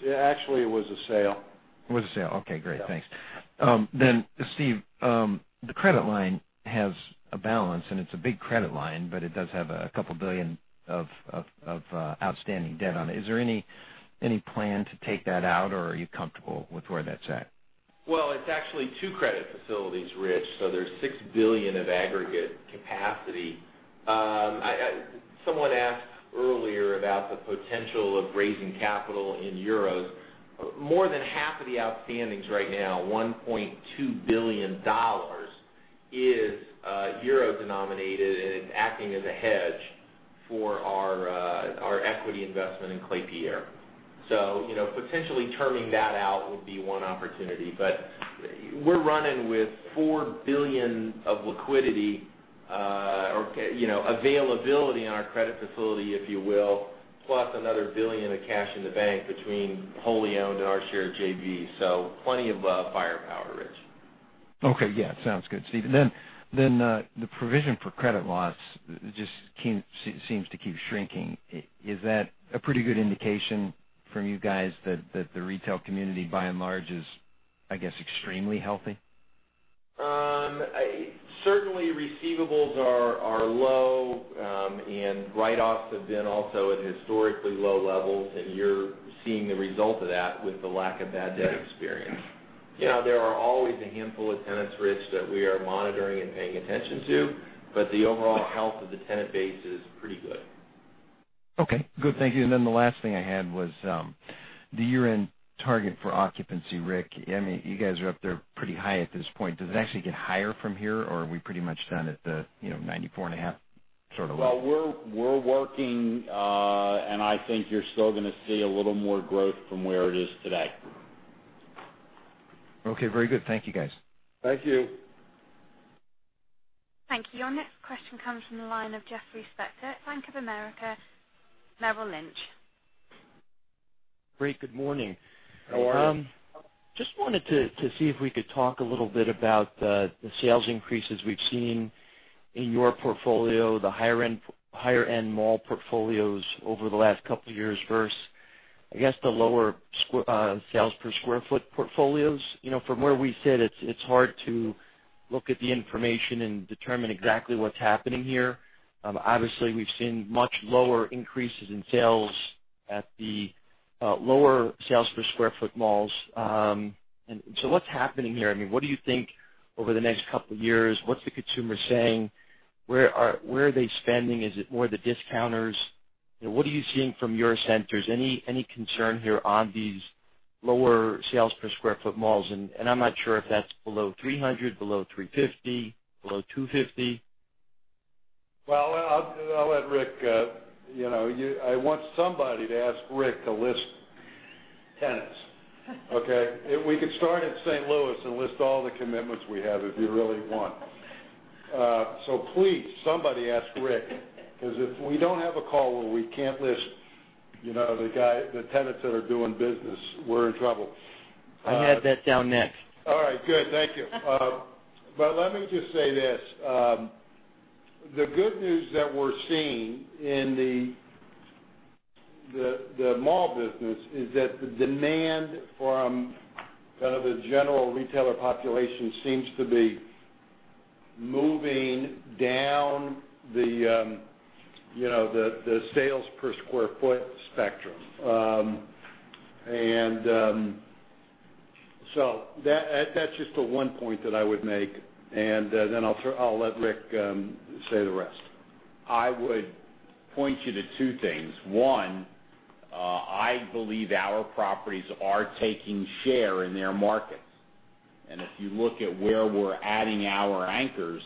Actually, it was a sale. It was a sale. Okay, great. Thanks. Yeah. Steve, the credit line has a balance, and it's a big credit line, but it does have a couple of billion USD of outstanding debt on it. Is there any plan to take that out, or are you comfortable with where that's at? Well, it's actually two credit facilities, Rich, there's $6 billion of aggregate capacity. Someone asked earlier about the potential of raising capital in EUR. More than half of the outstandings right now, $1.2 billion, is euro-denominated and is acting as a hedge for our equity investment in Klépierre. Potentially terming that out would be one opportunity. We're running with $4 billion of liquidity, or availability in our credit facility, if you will, plus another $1 billion of cash in the bank between wholly owned and our share of JV. Plenty of firepower, Rich. Okay. Yeah, sounds good. Stephen, the provision for credit loss just seems to keep shrinking. Is that a pretty good indication from you guys that the retail community by and large is, I guess, extremely healthy? Certainly, receivables are low, and write-offs have been also at historically low levels, and you're seeing the result of that with the lack of bad debt experience. There are always a handful of tenants, Rich, that we are monitoring and paying attention to, but the overall health of the tenant base is pretty good. Okay, good. Thank you. The last thing I had was the year-end target for occupancy, Rick. You guys are up there pretty high at this point. Does it actually get higher from here, or are we pretty much done at the 94 and a half sort of level? Well, we're working, and I think you're still going to see a little more growth from where it is today. Okay, very good. Thank you, guys. Thank you. Thank you. Your next question comes from the line of Jeffrey Spector, Bank of America Merrill Lynch. Great. Good morning. How are you? Just wanted to see if we could talk a little bit about the sales increases we've seen in your portfolio, the higher-end mall portfolios over the last couple of years versus, I guess, the lower sales per square foot portfolios. From where we sit, it's hard to look at the information and determine exactly what's happening here. Obviously, we've seen much lower increases in sales at the lower sales per square foot malls. What's happening here? What do you think over the next couple of years? What's the consumer saying? Where are they spending? Is it more the discounters? What are you seeing from your centers? Any concern here on these lower sales per square foot malls? I'm not sure if that's below 300, below 350, below 250. Well, I'll let Rick. I want somebody to ask Rick to list tenants. Okay? We could start at St. Louis and list all the commitments we have if you really want. Please, somebody ask Rick, because if we don't have a call where we can't list the tenants that are doing business, we're in trouble. I had that down next. All right, good. Thank you. Let me just say this. The good news that we're seeing in the mall business is that the demand from the general retailer population seems to be moving down the sales per square foot spectrum. That's just the one point that I would make, and then I'll let Rick say the rest. I would point you to two things. One, I believe our properties are taking share in their markets. If you look at where we're adding our anchors,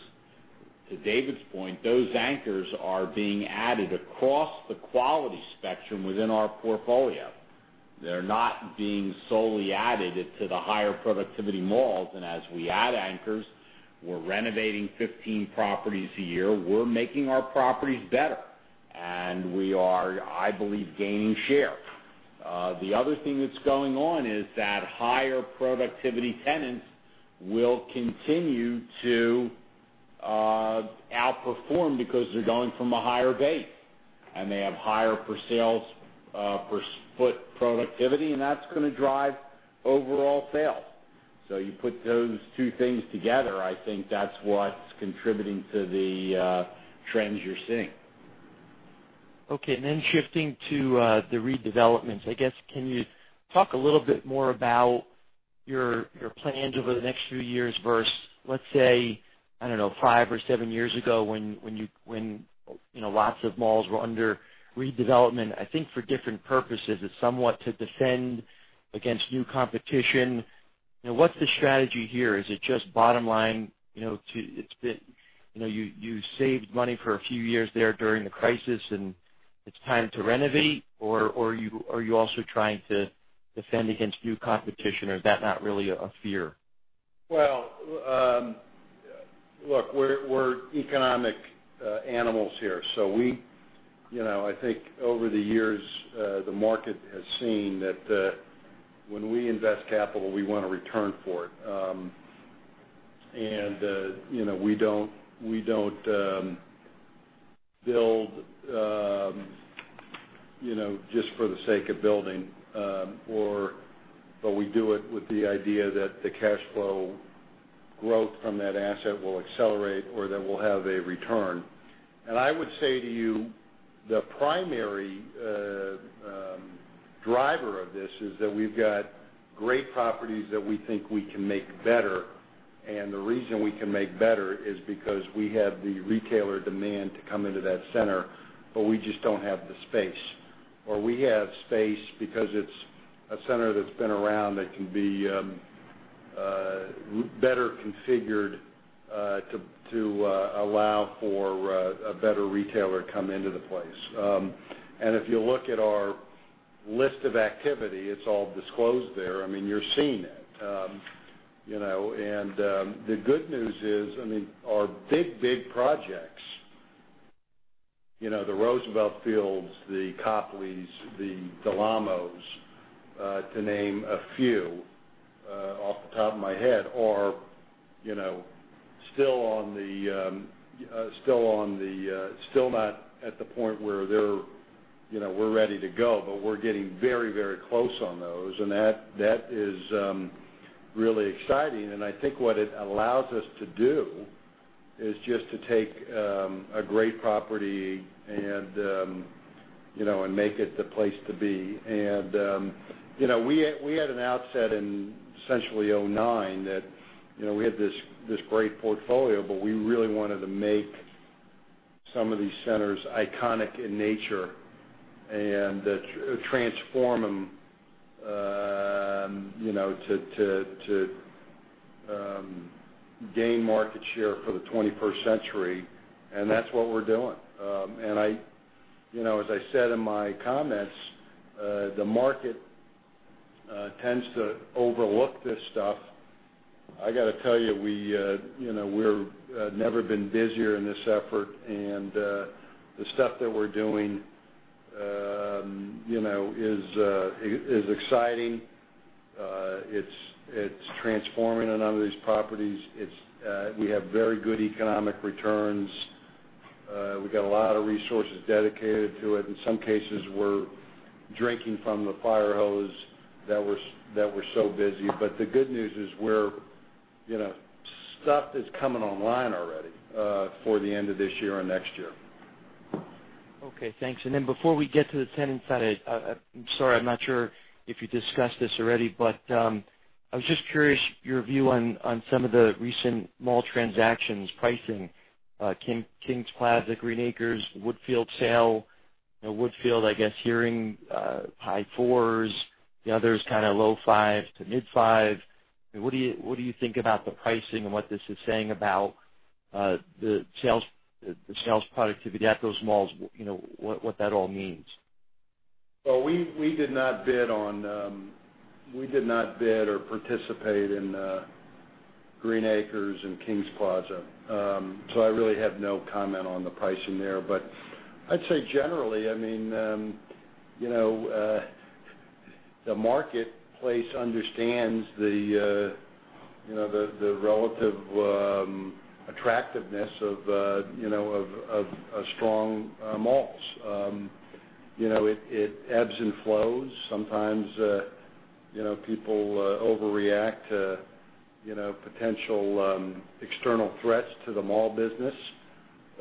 to David's point, those anchors are being added across the quality spectrum within our portfolio. They're not being solely added to the higher productivity malls. As we add anchors, we're renovating 15 properties a year. We're making our properties better. We are, I believe, gaining share. The other thing that's going on is that higher productivity tenants will continue to outperform because they're going from a higher base, and they have higher per sales per square foot productivity, and that's going to drive overall sales. You put those two things together, I think that's what's contributing to the trends you're seeing. Okay, shifting to the redevelopments. I guess, can you talk a little bit more about your plans over the next few years versus, let's say, I don't know, five or seven years ago when lots of malls were under redevelopment, I think for different purposes. It's somewhat to defend against new competition. What's the strategy here? Is it just bottom line, you saved money for a few years there during the crisis, and it's time to renovate, or are you also trying to defend against new competition, or is that not really a fear? Well, look, we're economic animals here. I think over the years, the market has seen that when we invest capital, we want a return for it. We don't build just for the sake of building, but we do it with the idea that the cash flow growth from that asset will accelerate or that we'll have a return. I would say to you, the primary driver of this is that we've got great properties that we think we can make better. The reason we can make better is because we have the retailer demand to come into that center, but we just don't have the space. We have space because it's a center that's been around that can be better configured, to allow for a better retailer to come into the place. If you look at our list of activity, it's all disclosed there. You're seeing it. The good news is, our big projects, the Roosevelt Fields, the Copleys, the Del Amos, to name a few, off the top of my head, are still not at the point where we're ready to go, but we're getting very close on those, that is really exciting. I think what it allows us to do is just to take a great property and make it the place to be. We had an outset in essentially 2009 that we had this great portfolio, but we really wanted to make some of these centers iconic in nature and transform them, to gain market share for the 21st century. That's what we're doing. As I said in my comments, the market tends to overlook this stuff. I got to tell you, we've never been busier in this effort, and the stuff that we're doing is exciting. It's transforming a lot of these properties. We have very good economic returns. We got a lot of resources dedicated to it. In some cases, we're drinking from the fire hose that we're so busy. The good news is stuff is coming online already for the end of this year or next year. Okay, thanks. Before we get to the tenant side, I'm sorry, I'm not sure if you discussed this already, but I was just curious, your view on some of the recent mall transactions pricing, Kings Plaza, Green Acres, Woodfield sale. Woodfield, I guess hearing high 4s, the others kind of low 5s to mid 5s. What do you think about the pricing and what this is saying about the sales productivity at those malls, what that all means? We did not bid or participate in Green Acres and Kings Plaza. I really have no comment on the pricing there. I'd say generally, the marketplace understands the relative attractiveness of strong malls. It ebbs and flows. Sometimes people overreact to potential external threats to the mall business.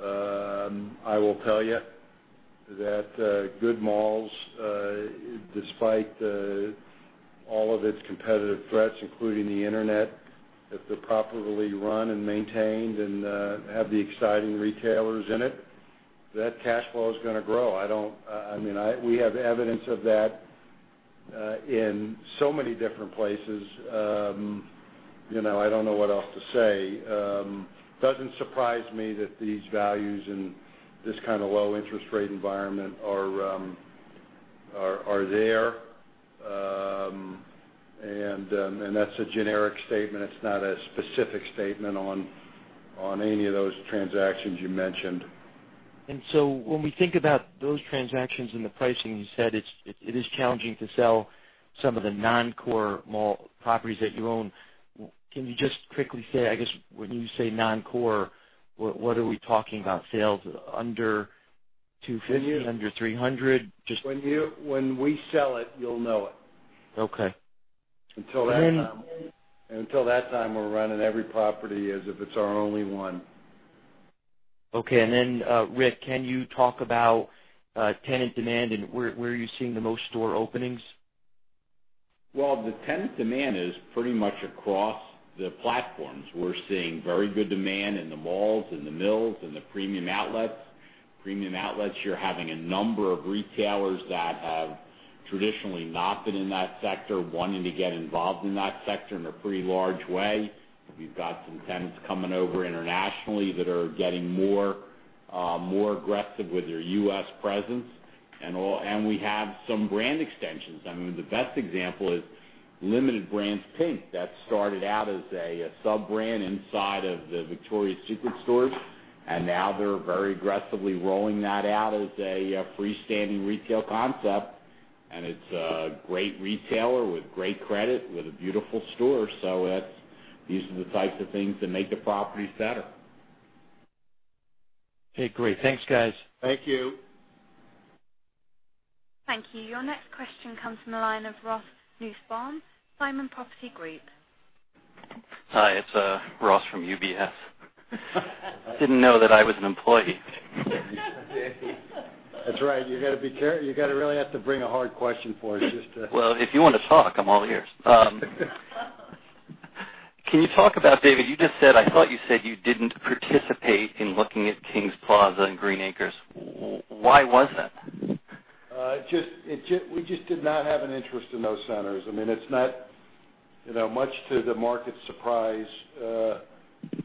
I will tell you that good malls, despite all of its competitive threats, including the internet, if they're properly run and maintained and have the exciting retailers in it, that cash flow is going to grow. We have evidence of that in so many different places. I don't know what else to say. Doesn't surprise me that these values in this kind of low interest rate environment are there. That's a generic statement. It's not a specific statement on any of those transactions you mentioned. When we think about those transactions and the pricing, you said it is challenging to sell some of the non-core mall properties that you own. Can you just quickly say, I guess, when you say non-core, what are we talking about? Sales under 250, under 300? When we sell it, you'll know it. Okay. Until that time, we're running every property as if it's our only one. Okay. Rick, can you talk about tenant demand, where are you seeing the most store openings? Well, the tenant demand is pretty much across the platforms. We're seeing very good demand in the malls, in the mills, in the premium outlets. Premium outlets, you're having a number of retailers that have traditionally not been in that sector, wanting to get involved in that sector in a pretty large way. We've got some tenants coming over internationally that are getting more aggressive with their U.S. presence, we have some brand extensions. The best example is Limited Brands PINK, that started out as a sub-brand inside of the Victoria's Secret stores, now they're very aggressively rolling that out as a free-standing retail concept. It's a great retailer with great credit, with a beautiful store. These are the types of things that make the property better. Okay, great. Thanks, guys. Thank you. Thank you. Your next question comes from the line of Ross Nussbaum, Simon Property Group. Hi, it's Ross from UBS. Didn't know that I was an employee. That's right. You really have to bring a hard question for us just to- Well, if you want to talk, I'm all ears. Can you talk about, David, you just said, I thought you said you didn't participate in looking at Kings Plaza and Green Acres. Why was that? We just did not have an interest in those centers. Much to the market's surprise,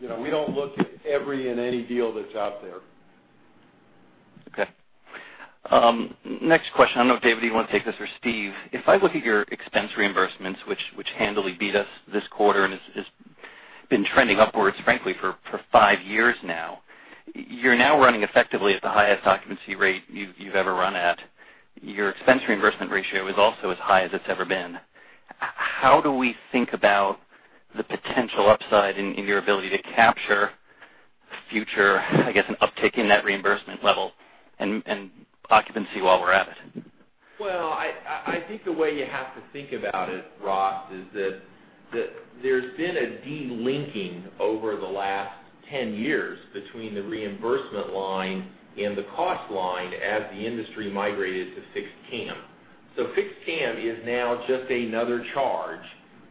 we don't look at every and any deal that's out there. Okay. Next question. I don't know, David, if you want to take this or Steve. If I look at your expense reimbursements, which handily beat us this quarter and has been trending upwards, frankly, for five years now, you're now running effectively at the highest occupancy rate you've ever run at. Your expense reimbursement ratio is also as high as it's ever been. How do we think about the potential upside in your ability to capture future, I guess, an uptick in that reimbursement level and occupancy while we're at it? I think the way you have to think about it, Ross, is that there's been a de-linking over the last 10 years between the reimbursement line and the cost line as the industry migrated to fixed CAM. Fixed CAM is now just another charge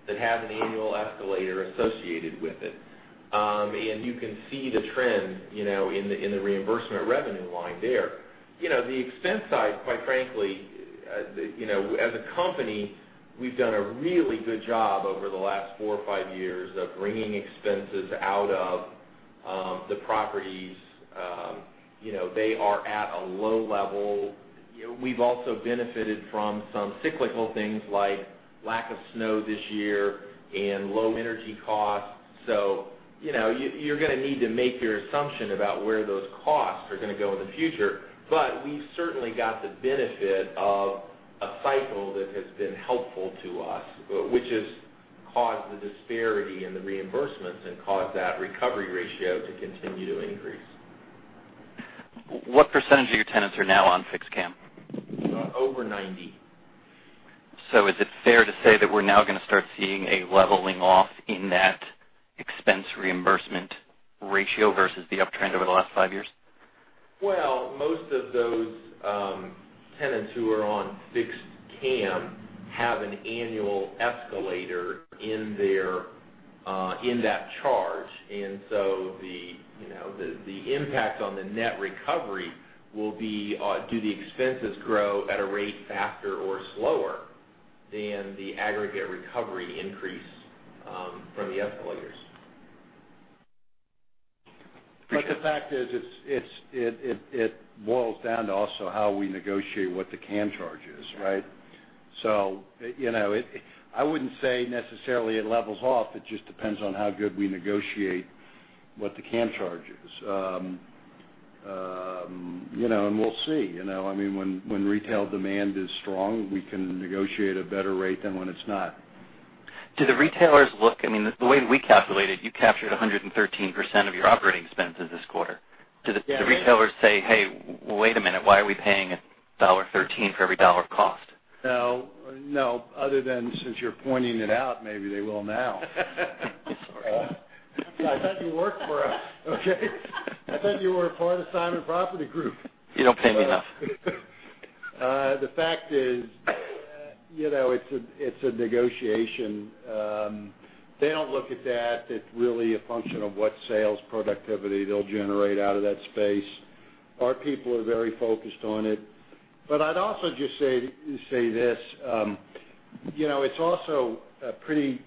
that has an annual escalator associated with it. You can see the trend in the reimbursement revenue line there. The expense side, quite frankly, as a company, we've done a really good job over the last four or five years of wringing expenses out of the properties. They are at a low level. We've also benefited from some cyclical things like lack of snow this year and low energy costs. You're going to need to make your assumption about where those costs are going to go in the future. We've certainly got the benefit of a cycle that has been helpful to us, which has caused the disparity in the reimbursements and caused that recovery ratio to continue to increase. What percentage of your tenants are now on fixed CAM? Over 90. Is it fair to say that we're now going to start seeing a leveling off in that expense reimbursement ratio versus the uptrend over the last 5 years? Most of those tenants who are on fixed CAM have an annual escalator in that charge. The impact on the net recovery will be, do the expenses grow at a rate faster or slower than the aggregate recovery increase from the escalators? The fact is, it boils down to also how we negotiate what the CAM charge is, right? Yeah. I wouldn't say necessarily it levels off. It just depends on how good we negotiate what the CAM charge is. We'll see. When retail demand is strong, we can negotiate a better rate than when it's not. The way we calculate it, you captured 113% of your operating expenses this quarter. Yeah. Do the retailers say, "Hey, wait a minute. Why are we paying $1.13 for every dollar cost? No. Other than since you're pointing it out, maybe they will now. Sorry. I thought you worked for us. Okay? I thought you were a part of Simon Property Group. You don't pay me enough. The fact is, it's a negotiation. They don't look at that. It's really a function of what sales productivity they'll generate out of that space. Our people are very focused on it. I'd also just say this. It's also a pretty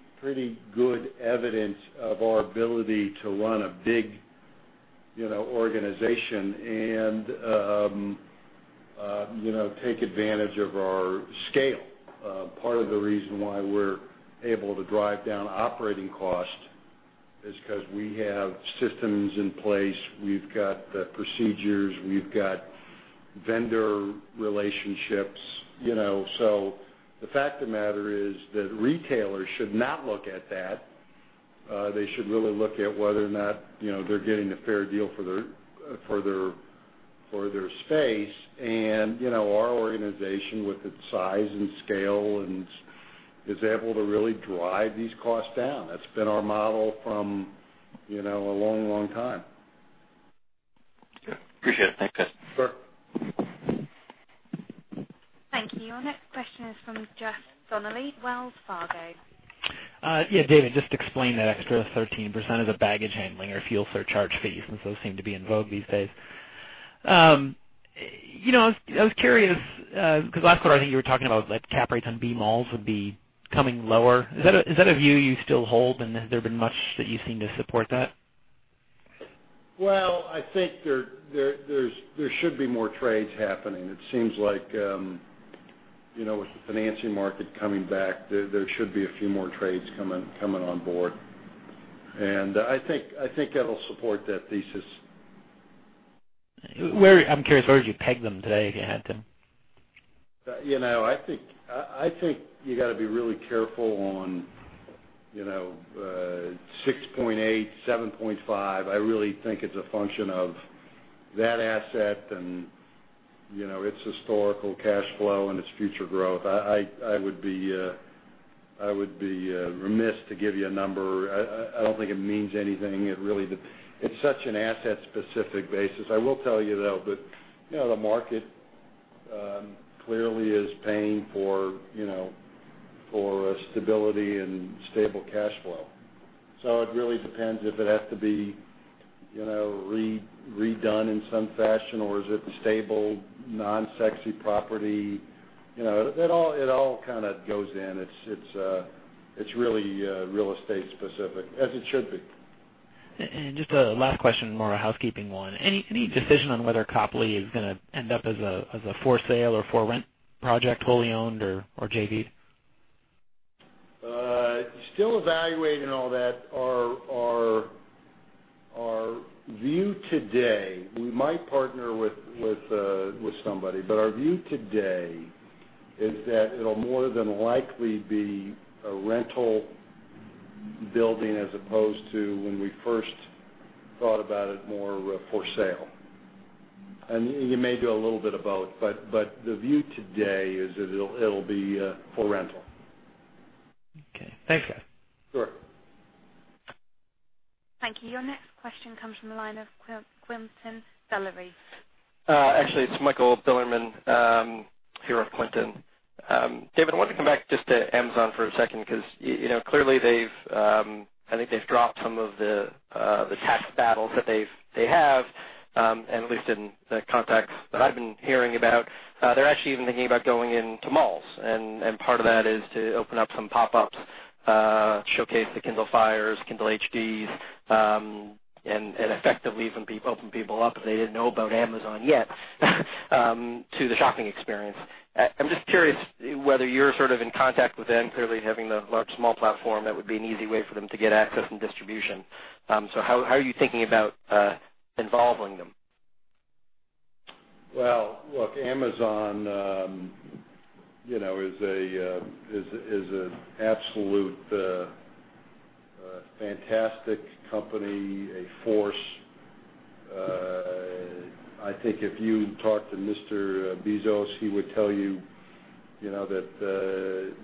good evidence of our ability to run a big organization and take advantage of our scale. Part of the reason why we're able to drive down operating cost is because we have systems in place. We've got the procedures. We've got vendor relationships. The fact of the matter is that retailers should not look at that. They should really look at whether or not they're getting a fair deal for their space, and our organization with its size and scale is able to really drive these costs down. That's been our model from a long time. Yeah. Appreciate it. Thanks, guys. Sure. Thank you. Our next question is from Jeff Donnelly, Wells Fargo. Yeah, David, just to explain that extra 13% of the baggage handling or fuel surcharge fee, since those seem to be in vogue these days. I was curious, because last quarter, I think you were talking about cap rates on B malls would be coming lower. Is that a view you still hold, and has there been much that you've seen to support that? Well, I think there should be more trades happening. It seems like with the financing market coming back, there should be a few more trades coming on board. I think that'll support that thesis. I'm curious, where would you peg them today if you had to? I think you got to be really careful on 6.8, 7.5. I really think it's a function of that asset and its historical cash flow and its future growth. I would be remiss to give you a number. I don't think it means anything. It's such an asset-specific basis. I will tell you, though, that the market clearly is paying for stability and stable cash flow. It really depends if it has to be redone in some fashion, or is it the stable, non-sexy property. It all kind of goes in. It's really real estate specific, as it should be. Just a last question, more a housekeeping one. Any decision on whether Copley is going to end up as a for sale or for rent project, wholly owned or JV? Still evaluating all that. Our view today, we might partner with somebody, but our view today is that it'll more than likely be a rental building as opposed to when we first thought about it more for sale. You may do a little bit of both. The view today is that it'll be for rental. Okay. Thanks, guys. Sure. Thank you. Your next question comes from the line of Quentin Velleley. Actually, it's Michael Bilerman here with Quentin. David, I wanted to come back just to Amazon for a second, because clearly, I think they've dropped some of the tax battles that they have, at least in the contacts that I've been hearing about. They're actually even thinking about going into malls, and part of that is to open up some pop-ups, showcase the Kindle Fires, Kindle Fire HDs, and effectively even open people up, if they didn't know about Amazon yet, to the shopping experience. I'm just curious whether you're sort of in contact with them. Clearly, having the large mall platform, that would be an easy way for them to get access and distribution. How are you thinking about involving them? Well, look, Amazon is an absolute fantastic company, a force. I think if you talk to Mr. Bezos, he would tell you that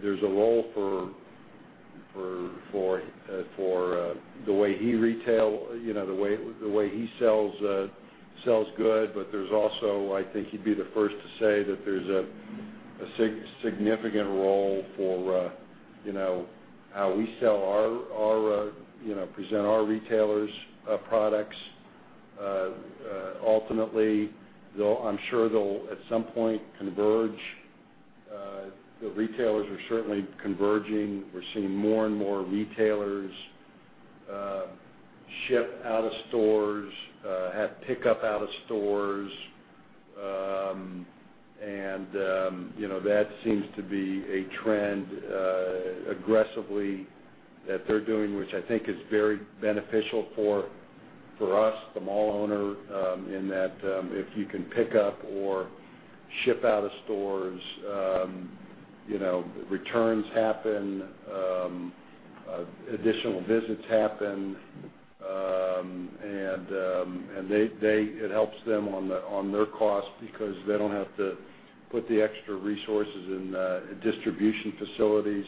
there's a role for the way he sells goods. There's also, I think he'd be the first to say that there's a significant role for how we present our retailers' products. Ultimately, I'm sure they'll, at some point, converge. The retailers are certainly converging. We're seeing more and more retailers ship out of stores, have pickup out of stores. That seems to be a trend aggressively that they're doing, which I think is very beneficial for us, the mall owner, in that if you can pick up or ship out of stores, returns happen, additional visits happen, and it helps them on their cost because they don't have to put the extra resources in distribution facilities.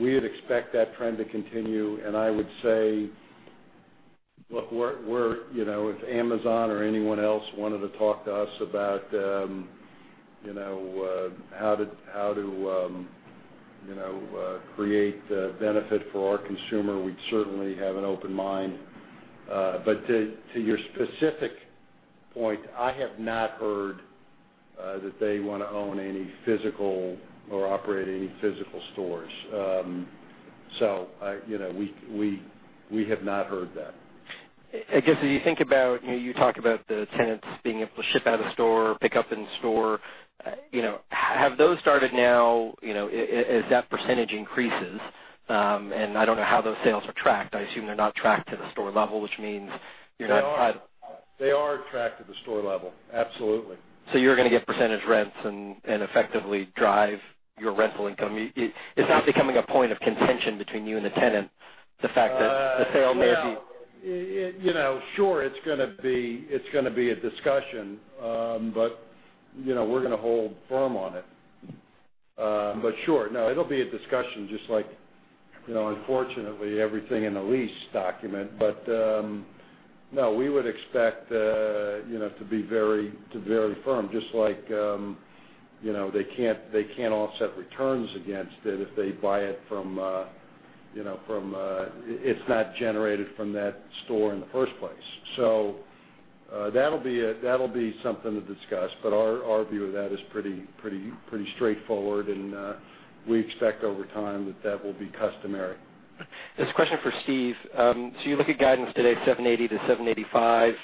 We would expect that trend to continue, and I would say, look, if Amazon or anyone else wanted to talk to us about how to create benefit for our consumer, we'd certainly have an open mind. To your specific point, I have not heard that they want to own any physical or operate any physical stores. We have not heard that. I guess if you think about, you talk about the tenants being able to ship out of the store, pick up in store, have those started now, as that percentage increases, and I don't know how those sales are tracked. I assume they're not tracked to the store level, which means you're not- They are tracked at the store level. Absolutely. You're going to get percentage rents and effectively drive your rental income. It's not becoming a point of contention between you and the tenant, the fact that the sale may be. Sure, it's going to be a discussion. We're going to hold firm on it. Sure, no, it'll be a discussion, just like, unfortunately, everything in the lease document. No, we would expect to be very firm, just like they can't offset returns against it if they buy it from It's not generated from that store in the first place. That'll be something to discuss. Our view of that is pretty straightforward, and we expect over time that that will be customary. This is a question for Steve. You look at guidance today at $7.80-$7.85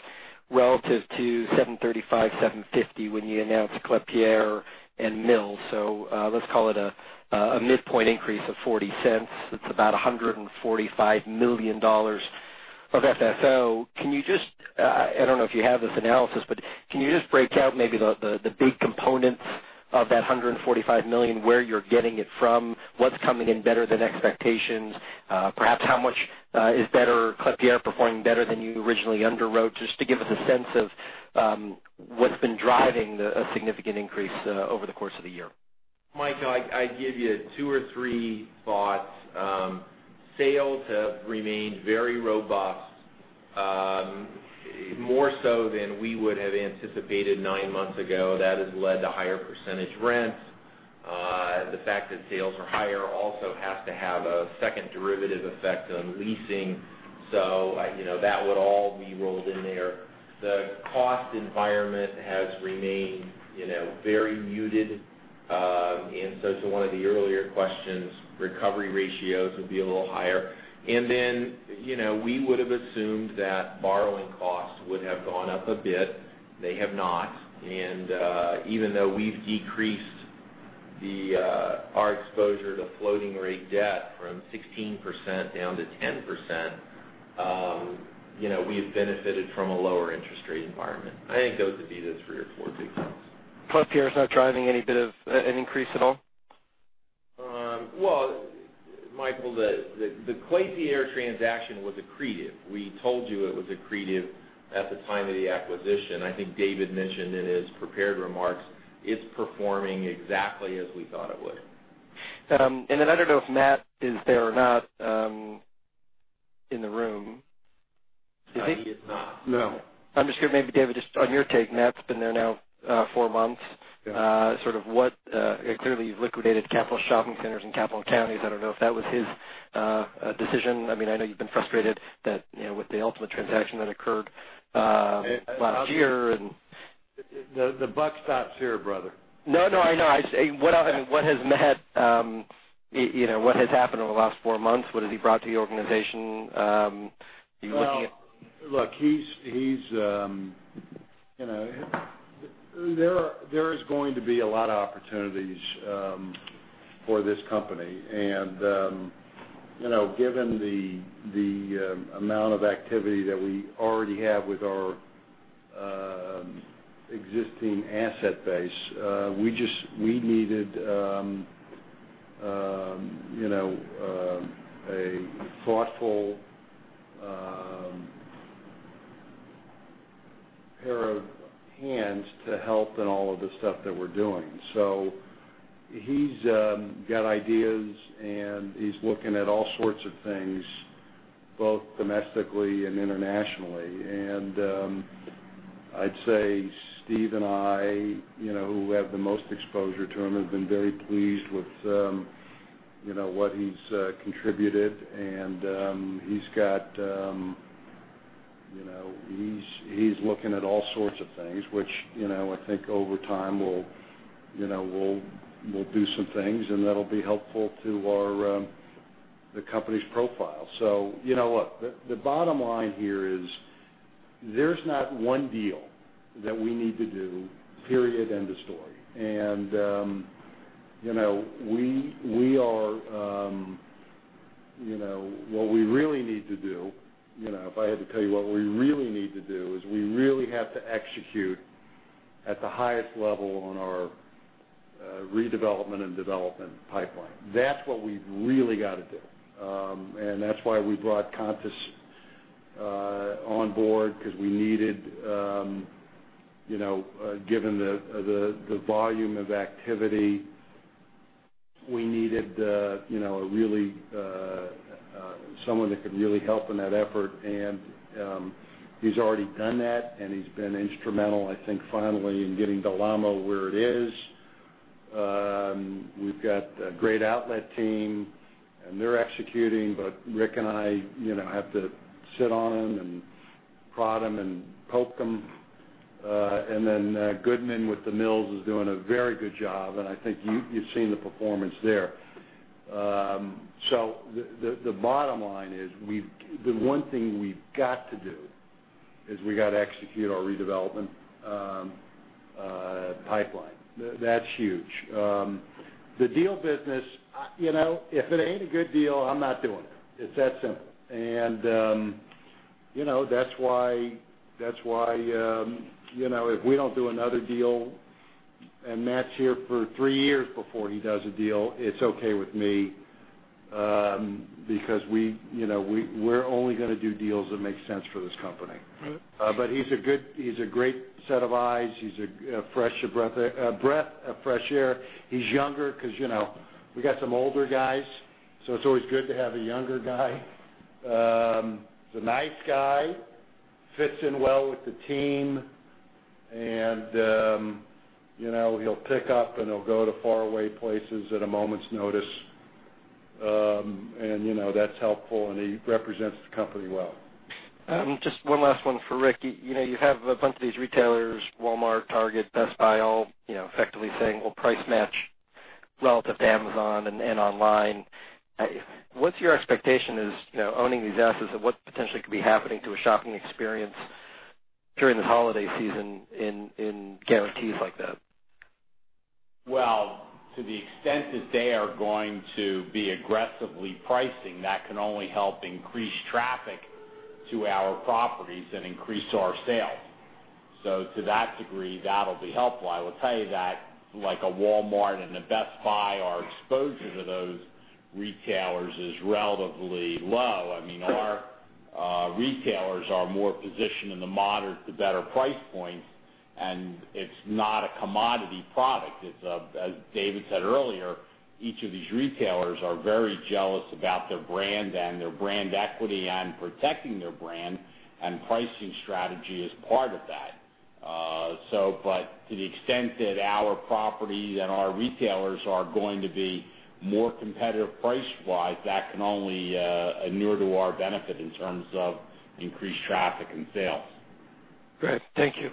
relative to $7.35-$7.50 when you announced Klépierre and Mills. Let's call it a midpoint increase of $0.40. It's about $145 million of FFO. I don't know if you have this analysis, but can you just break out maybe the big components of that $145 million, where you're getting it from, what's coming in better than expectations, perhaps how much is better, Klépierre performing better than you originally underwrote? Just to give us a sense of what's been driving the significant increase over the course of the year. Michael, I'd give you two or three thoughts. Sales have remained very robust, more so than we would have anticipated nine months ago. That has led to higher percentage rents. The fact that sales are higher also has to have a second derivative effect on leasing. That would all be rolled in there. The cost environment has remained very muted. To one of the earlier questions, recovery ratios would be a little higher. We would've assumed that borrowing costs would have gone up a bit. They have not, and even though we've decreased our exposure to floating rate debt from 16% down to 10%, we've benefited from a lower interest rate environment. I think those would be the three or four big things. Klépierre's not driving any bit of an increase at all? Well, Michael, the Klépierre transaction was accretive. We told you it was accretive at the time of the acquisition. I think David mentioned in his prepared remarks, it's performing exactly as we thought it would. I don't know if Matt is there or not, in the room. Is he? He is not. No. I'm just curious, maybe David, just on your take, Matt's been there now four months. Yeah. Clearly you've liquidated Capital Shopping Centres and Capital & Counties. I don't know if that was his decision. I know you've been frustrated that with the ultimate transaction that occurred last year. The buck stops here, brother. No, I know. What has happened over the last four months? What has he brought to the organization? Are you looking at? Look, there is going to be a lot of opportunities for this company, and given the amount of activity that we already have with our existing asset base, we needed a thoughtful pair of hands to help in all of the stuff that we're doing. He's got ideas and he's looking at all sorts of things, both domestically and internationally. I'd say Steve and I, who have the most exposure to him, have been very pleased with what he's contributed and he's looking at all sorts of things, which I think over time will do some things, and that'll be helpful to the company's profile. You know what? The bottom line here is there's not one deal that we need to do, period, end of story. What we really need to do, if I had to tell you what we really need to do, is we really have to execute at the highest level on our redevelopment and development pipeline. That's what we've really got to do. That's why we brought Contis on board, because given the volume of activity, we needed someone that could really help in that effort. He's already done that, and he's been instrumental, I think, finally, in getting Del Amo where it is. We've got a great outlet team, and they're executing, but Rick and I have to sit on them and prod them and poke them. Then, Goodman with The Mills is doing a very good job, and I think you've seen the performance there. The bottom line is, the one thing we've got to do is we got to execute our redevelopment pipeline. That's huge. The deal business, if it ain't a good deal, I'm not doing it. It's that simple. That's why, if we don't do another deal and Matt's here for three years before he does a deal, it's okay with me, because we're only going to do deals that make sense for this company. Right. He's a great set of eyes. He's a fresh breath of fresh air. He's younger, because we got some older guys, so it's always good to have a younger guy. He's a nice guy, fits in well with the team, and he'll pick up and he'll go to faraway places at a moment's notice. That's helpful, and he represents the company well. Just one last one for Rick. You have a bunch of these retailers, Walmart, Target, Best Buy, all effectively saying, "We'll price match relative to Amazon and online." What's your expectation as owning these assets and what potentially could be happening to a shopping experience during this holiday season in guarantees like that? Well, to the extent that they are going to be aggressively pricing, that can only help increase traffic to our properties and increase our sales. To that degree, that'll be helpful. I will tell you that like a Walmart and a Best Buy, our exposure to those retailers is relatively low. Our retailers are more positioned in the moderate to better price points, and it's not a commodity product. As David said earlier, each of these retailers are very jealous about their brand and their brand equity and protecting their brand, and pricing strategy is part of that. To the extent that our property and our retailers are going to be more competitive price-wise, that can only inure to our benefit in terms of increased traffic and sales. Great. Thank you.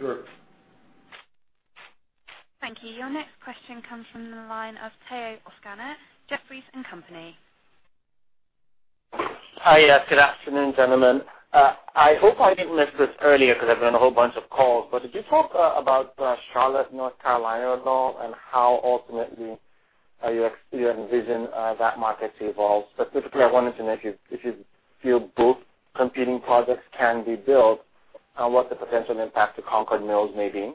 Sure. Thank you. Your next question comes from the line of Omotayo Okusanya, Jefferies & Company. Hi. Good afternoon, gentlemen. I hope I didn't miss this earlier because I've been on a whole bunch of calls. Did you talk about Charlotte, North Carolina, at all and how ultimately you envision that market to evolve? Specifically, I wanted to know if you feel both competing projects can be built and what the potential impact to Concord Mills may be.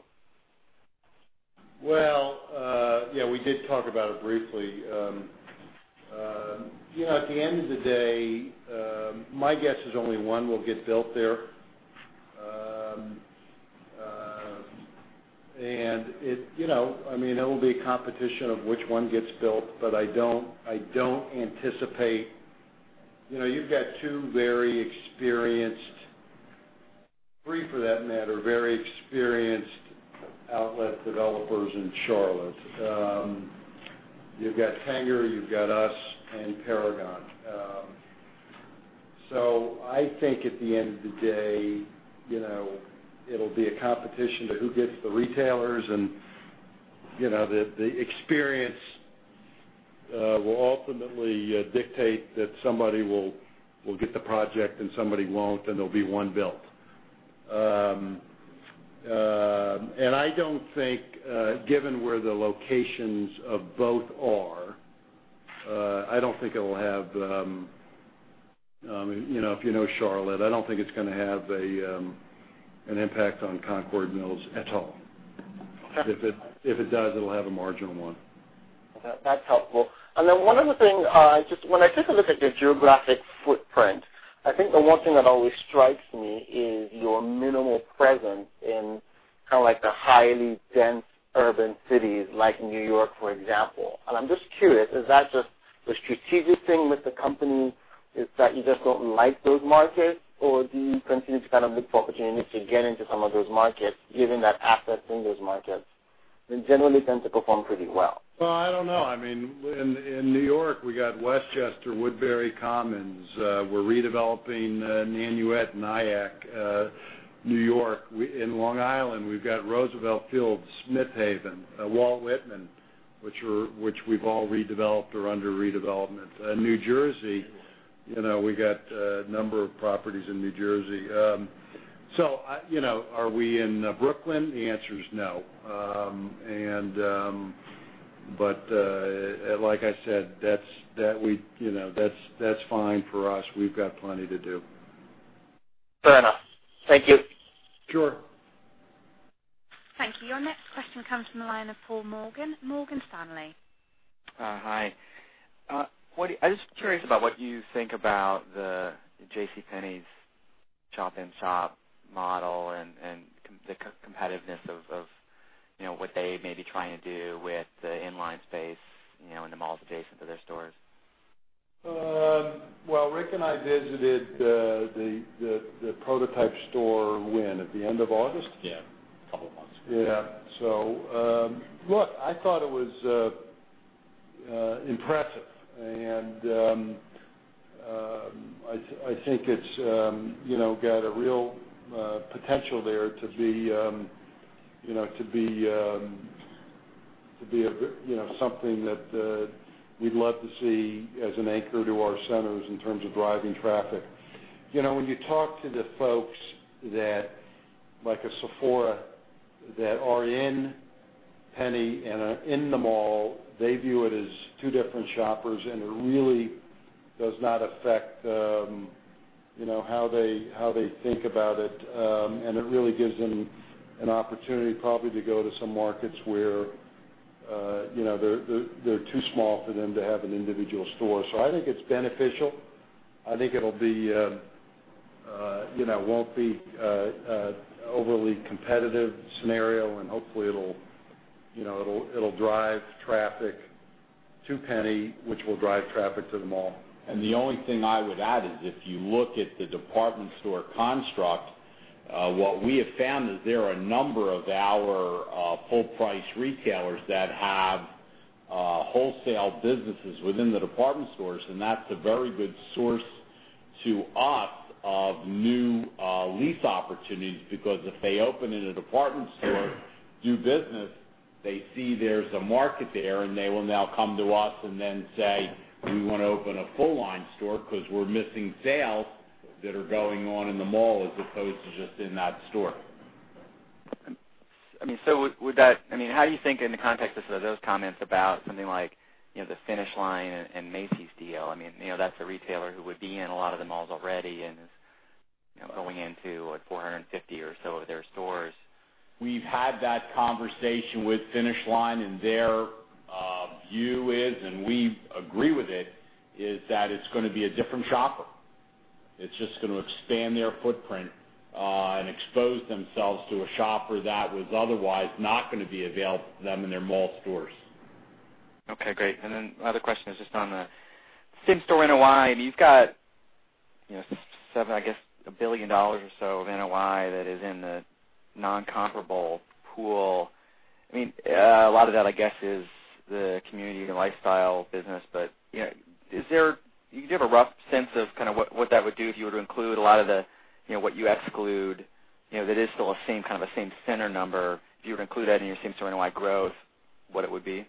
Well, yeah, we did talk about it briefly. At the end of the day, my guess is only one will get built there. It will be a competition of which one gets built, but I don't anticipate. You've got two very experienced, three for that matter, very experienced outlet developers in Charlotte. You've got Tanger, you've got us, and Paragon. I think at the end of the day, it'll be a competition to who gets the retailers, and the experience will ultimately dictate that somebody will get the project and somebody won't, and there'll be one built. I don't think, given where the locations of both are, I don't think it will have, if you know Charlotte, I don't think it's going to have an impact on Concord Mills at all. Okay. If it does, it'll have a marginal one. That's helpful. One other thing, just when I take a look at your geographic footprint, I think the one thing that always strikes me is your minimal presence in kind of like the highly dense urban cities like New York, for example. I'm just curious, is that just the strategic thing with the company is that you just don't like those markets, or do you continue to kind of look for opportunities to get into some of those markets, given that assets in those markets generally tend to perform pretty well? Well, I don't know. In New York, we got Westchester, Woodbury Commons. We're redeveloping Nanuet, New York. In Long Island, we've got Roosevelt Field, Smith Haven, Walt Whitman, which we've all redeveloped or under redevelopment. New Jersey, we got a number of properties in New Jersey. Are we in Brooklyn? The answer is no. Like I said, that's fine for us. We've got plenty to do. Fair enough. Thank you. Sure. Thank you. Your next question comes from the line of Paul Morgan, Morgan Stanley. Hi. I'm just curious about what you think about the JCPenney's shop-in-shop model and the competitiveness of what they may be trying to do with the inline space in the malls adjacent to their stores. Well, Rick and I visited the prototype store when, at the end of August? Yeah, a couple of months ago. Yeah. Look, I thought it was impressive, and I think it's got a real potential there to be something that we'd love to see as an anchor to our centers in terms of driving traffic. When you talk to the folks that, like a Sephora, that are in JCPenney and are in the mall, they view it as two different shoppers, and it really does not affect how they think about it. It really gives them an opportunity probably to go to some markets where they're too small for them to have an individual store. I think it's beneficial. I think it won't be overly competitive scenario, and hopefully it'll drive traffic to JCPenney, which will drive traffic to the mall. The only thing I would add is if you look at the department store construct, what we have found is there are a number of our full-price retailers that have wholesale businesses within the department stores, and that's a very good source to us of new lease opportunities. Because if they open in a department store, do business, they see there's a market there, and they will now come to us and then say, "We want to open a full-line store because we're missing sales. That are going on in the mall as opposed to just in that store. How do you think, in the context of those comments, about something like the Finish Line and Macy's deal? That's a retailer who would be in a lot of the malls already and is going into 450 or so of their stores. We've had that conversation with Finish Line, and their view is, and we agree with it, is that it's going to be a different shopper. It's just going to expand their footprint, and expose themselves to a shopper that was otherwise not going to be available to them in their mall stores. Okay, great. Another question is just on the same-store NOI. You've got $1 billion or so of NOI that is in the non-comparable pool. A lot of that, I guess, is the community and lifestyle business. Do you have a rough sense of what that would do if you were to include a lot of what you exclude, that is still a same center number, if you were to include that in your same store NOI growth, what it would be?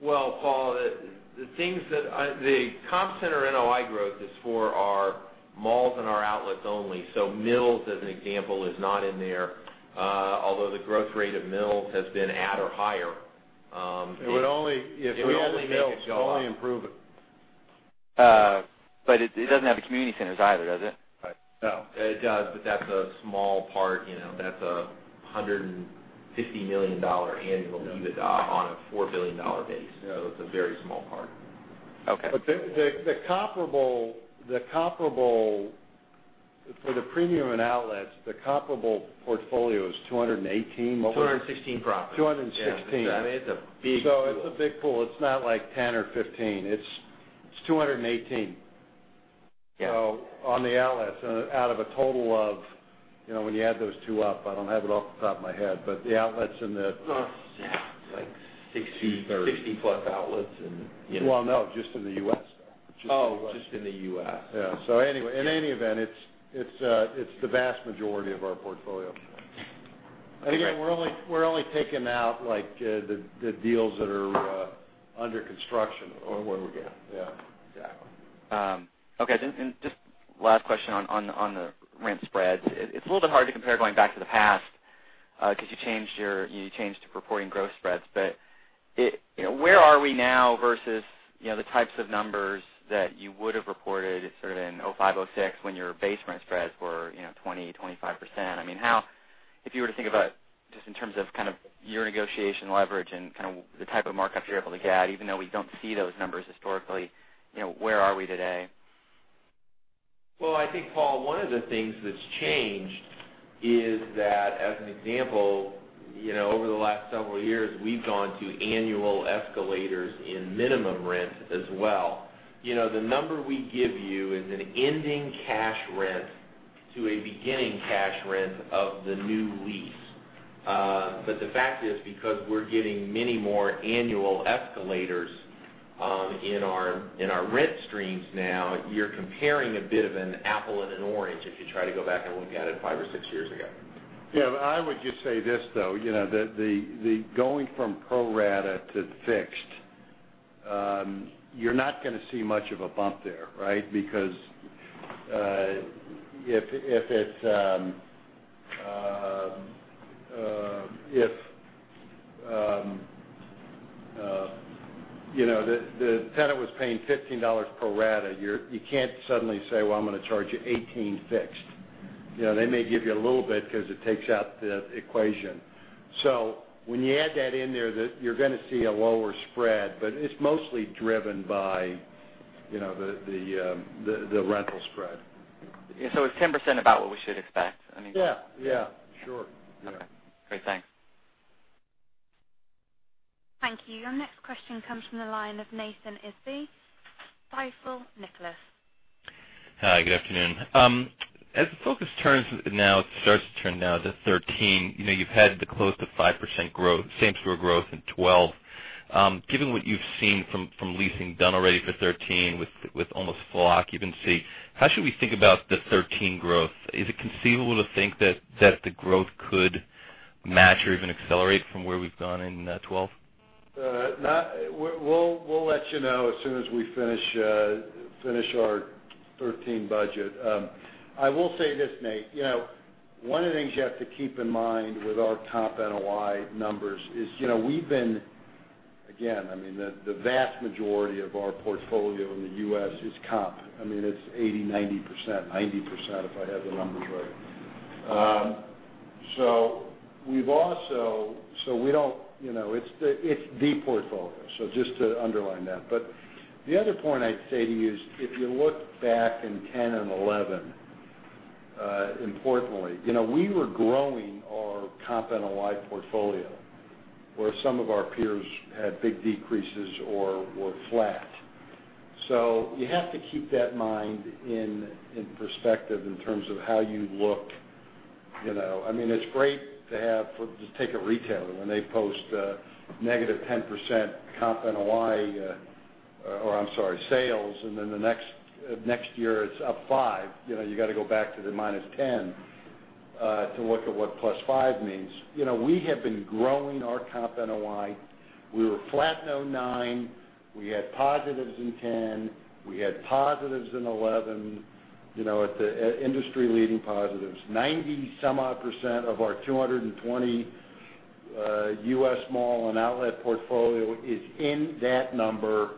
Well, Paul, the comp center NOI growth is for our malls and our outlets only. Mills, as an example, is not in there. Although the growth rate of Mills has been at or higher. If we owned Mills, it would only improve it. It doesn't have the community centers either, does it? Right. No, it does. That's a small part. That's a $150 million annual EBITDA on a $4 billion base. Yeah. It's a very small part. Okay. For the premium and outlets, the comparable portfolio is 218, what was it? 216 properties. 216. Yeah. I mean, it's a big pool. It's a big pool. It's not like 10 or 15. It's 218. Yeah. On the outlets, out of a total of, when you add those two up, I don't have it off the top of my head. Yeah, like 60- 30 60 plus outlets Well, no, just in the U.S. though. Oh, just in the U.S. Yeah. In any event, it's the vast majority of our portfolio. Great. We're only taking out, the deals that are under construction or what we get. Yeah. Exactly. Okay, just last question on the rent spreads. It's a little bit hard to compare going back to the past, because you changed reporting gross spreads. Where are we now versus the types of numbers that you would have reported sort of in 2005, 2006 when your base rent spreads were 20%, 25%? If you were to think about, just in terms of your negotiation leverage and the type of markups you're able to get, even though we don't see those numbers historically, where are we today? Well, I think, Paul, one of the things that's changed is that, as an example, over the last several years, we've gone to annual escalators in minimum rent as well. The number we give you is an ending cash rent to a beginning cash rent of the new lease. The fact is, because we're getting many more annual escalators, in our rent streams now, you're comparing a bit of an apple and an orange if you try to go back and look at it five or six years ago. Yeah, I would just say this, though, that going from pro-rata to fixed, you're not going to see much of a bump there, right? Because, if the tenant was paying $15 pro rata, you can't suddenly say, "Well, I'm going to charge you 18 fixed." They may give you a little bit because it takes out the equation. When you add that in there, you're going to see a lower spread, but it's mostly driven by the rental spread. Yeah. It's 10% about what we should expect. Yeah. Sure. Okay. Great. Thanks. Thank you. Your next question comes from the line of Nathan Isbee, Stifel Nicolaus. Hi, good afternoon. As the focus starts to turn now to 2013, you've had the close to 5% same store growth in 2012. Given what you've seen from leasing done already for 2013 with almost full occupancy, how should we think about the 2013 growth? Is it conceivable to think that the growth could match or even accelerate from where we've gone in 2012? We'll let you know as soon as we finish our 2013 budget. I will say this, Nate, one of the things you have to keep in mind with our comp NOI numbers is, we've been, again, the vast majority of our portfolio in the U.S. is comp. It's 80, 90%, 90% if I have the numbers right. It's the portfolio. Just to underline that. The other point I'd say to you is if you look back in 2010 and 2011, importantly, we were growing our comp NOI portfolio where some of our peers had big decreases or were flat. You have to keep that in mind in perspective in terms of how you look. It's great to take a retailer when they post a negative 10% comp NOI, or I'm sorry, sales, and then the next year, it's up five. You've got to go back to the -10. To look at what +5 means. We have been growing our comp NOI. We were flat in 2009. We had positives in 2010. We had positives in 2011. At the industry leading positives. 90-some odd percent of our 220 U.S. mall and outlet portfolio is in that number,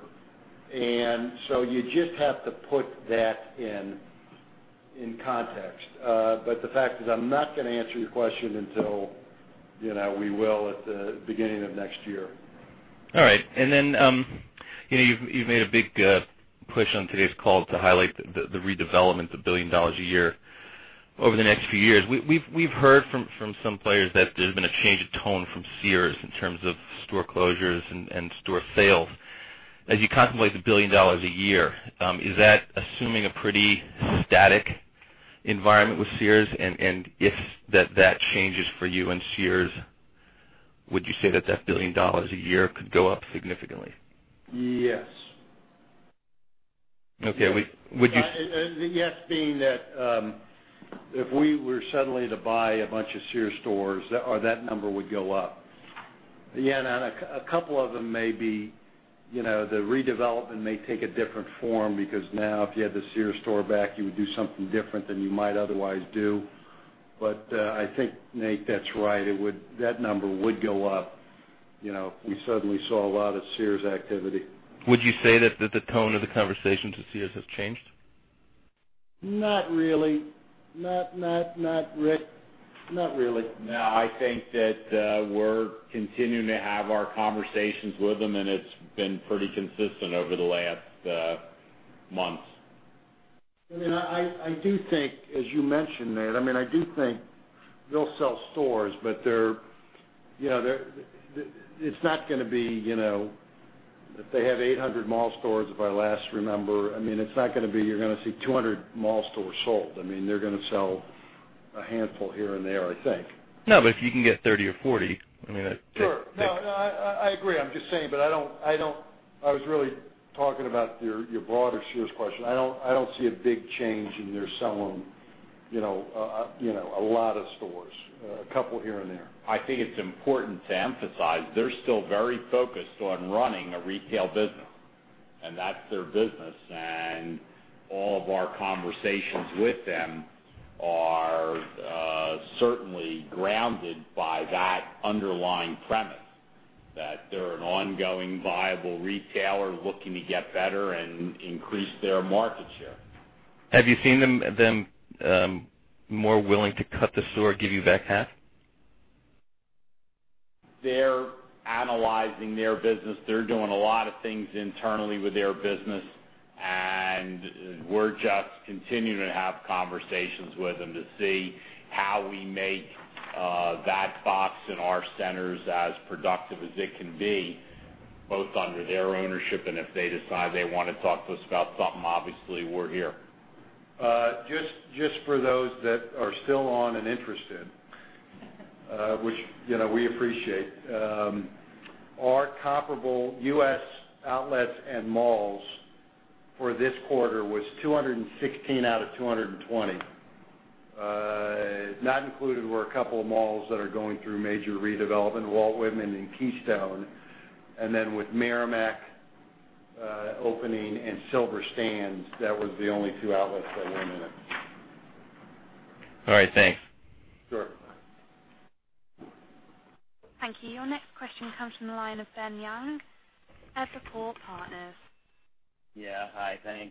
you just have to put that in context. The fact is, I'm not going to answer your question until, we will at the beginning of next year. All right. Then, you've made a big push on today's call to highlight the redevelopment, the $1 billion a year over the next few years. We've heard from some players that there's been a change of tone from Sears in terms of store closures and store sales. As you contemplate the $1 billion a year, is that assuming a pretty static environment with Sears? If that changes for you and Sears, would you say that $1 billion a year could go up significantly? Yes. Okay. Would you- Yes, being that if we were suddenly to buy a bunch of Sears stores, that number would go up. Yeah, and a couple of them may be, the redevelopment may take a different form because now if you had the Sears store back, you would do something different than you might otherwise do. I think, Nate, that's right. That number would go up, if we suddenly saw a lot of Sears activity. Would you say that the tone of the conversations with Sears has changed? Not really. Not really. No, I think that we're continuing to have our conversations with them, and it's been pretty consistent over the last months. I do think, as you mentioned, Nate, I do think they'll sell stores, but it's not going to be, if they had 800 mall stores, if I last remember, it's not going to be you're going to see 200 mall stores sold. They're going to sell a handful here and there, I think. No, but if you can get 30 or 40. Sure. No, I agree. I'm just saying, but I was really talking about your broader Sears question. I don't see a big change in their selling a lot of stores. A couple here and there. I think it's important to emphasize, they're still very focused on running a retail business. That's their business, and all of our conversations with them are certainly grounded by that underlying premise. That they're an ongoing, viable retailer looking to get better and increase their market share. Have you seen them more willing to cut the store, give you back half? They're analyzing their business. They're doing a lot of things internally with their business. We're just continuing to have conversations with them to see how we make that box in our centers as productive as it can be, both under their ownership and if they decide they want to talk to us about something, obviously, we're here. Just for those that are still on and interested, which we appreciate. Our comparable U.S. outlets and malls for this quarter was 216 out of 220. Not included were a couple of malls that are going through major redevelopment, Walt Whitman and Keystone. Then with Merrimack opening and Silver Sands. That was the only two outlets that went in it. All right. Thanks. Sure. Thank you. Your next question comes from the line of Ben Yang at Evercore Partners. Yeah. Hi, Ben.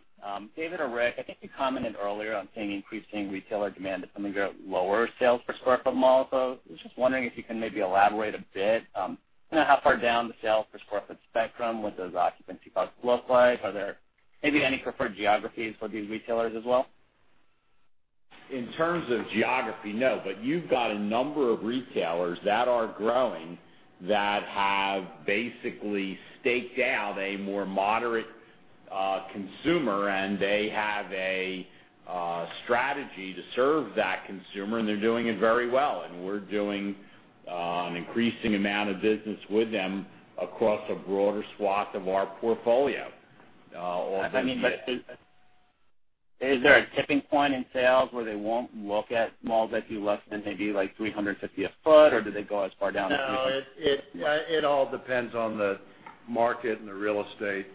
David or Rick, I think you commented earlier on seeing increasing retailer demand that's coming out lower sales per square foot mall. I was just wondering if you can maybe elaborate a bit on how far down the sales per square foot spectrum, what those occupancy costs look like. Are there maybe any preferred geographies for these retailers as well? In terms of geography, no. You've got a number of retailers that are growing that have basically staked out a more moderate consumer, and they have a strategy to serve that consumer, and they're doing it very well. We're doing an increasing amount of business with them across a broader swath of our portfolio. Is there a tipping point in sales where they won't look at malls that do less than maybe like $350 a foot, or do they go as far down as? No, it all depends on the market and the real estate.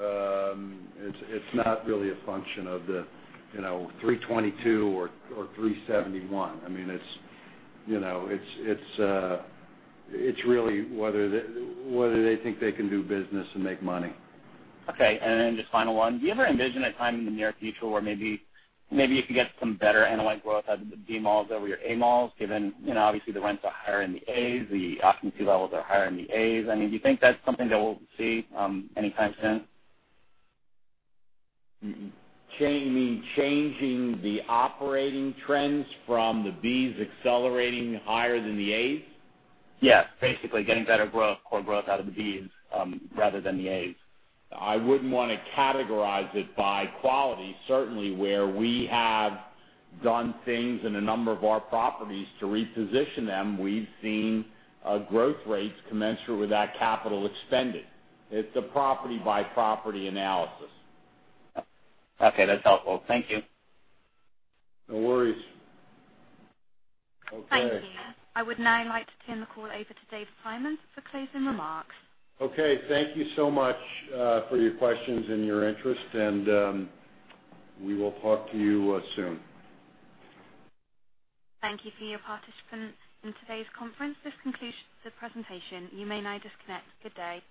It's not really a function of the $322 or $371. It's really whether they think they can do business and make money. Okay. Then just final one. Do you ever envision a time in the near future where maybe you could get some better NOI growth out of the B malls over your A malls, given obviously the rents are higher in the As, the occupancy levels are higher in the As. Do you think that's something that we'll see anytime soon? You mean changing the operating trends from the Bs accelerating higher than the As? Yes, basically getting better core growth out of the Bs rather than the As. I wouldn't want to categorize it by quality. Certainly, where we have done things in a number of our properties to reposition them, we've seen growth rates commensurate with that capital expended. It's a property-by-property analysis. Okay. That's helpful. Thank you. No worries. Okay. Thank you. I would now like to turn the call over to Dave Simon for closing remarks. Okay. Thank you so much for your questions and your interest, and we will talk to you soon. Thank you for your participation in today's conference. This concludes the presentation. You may now disconnect. Good day.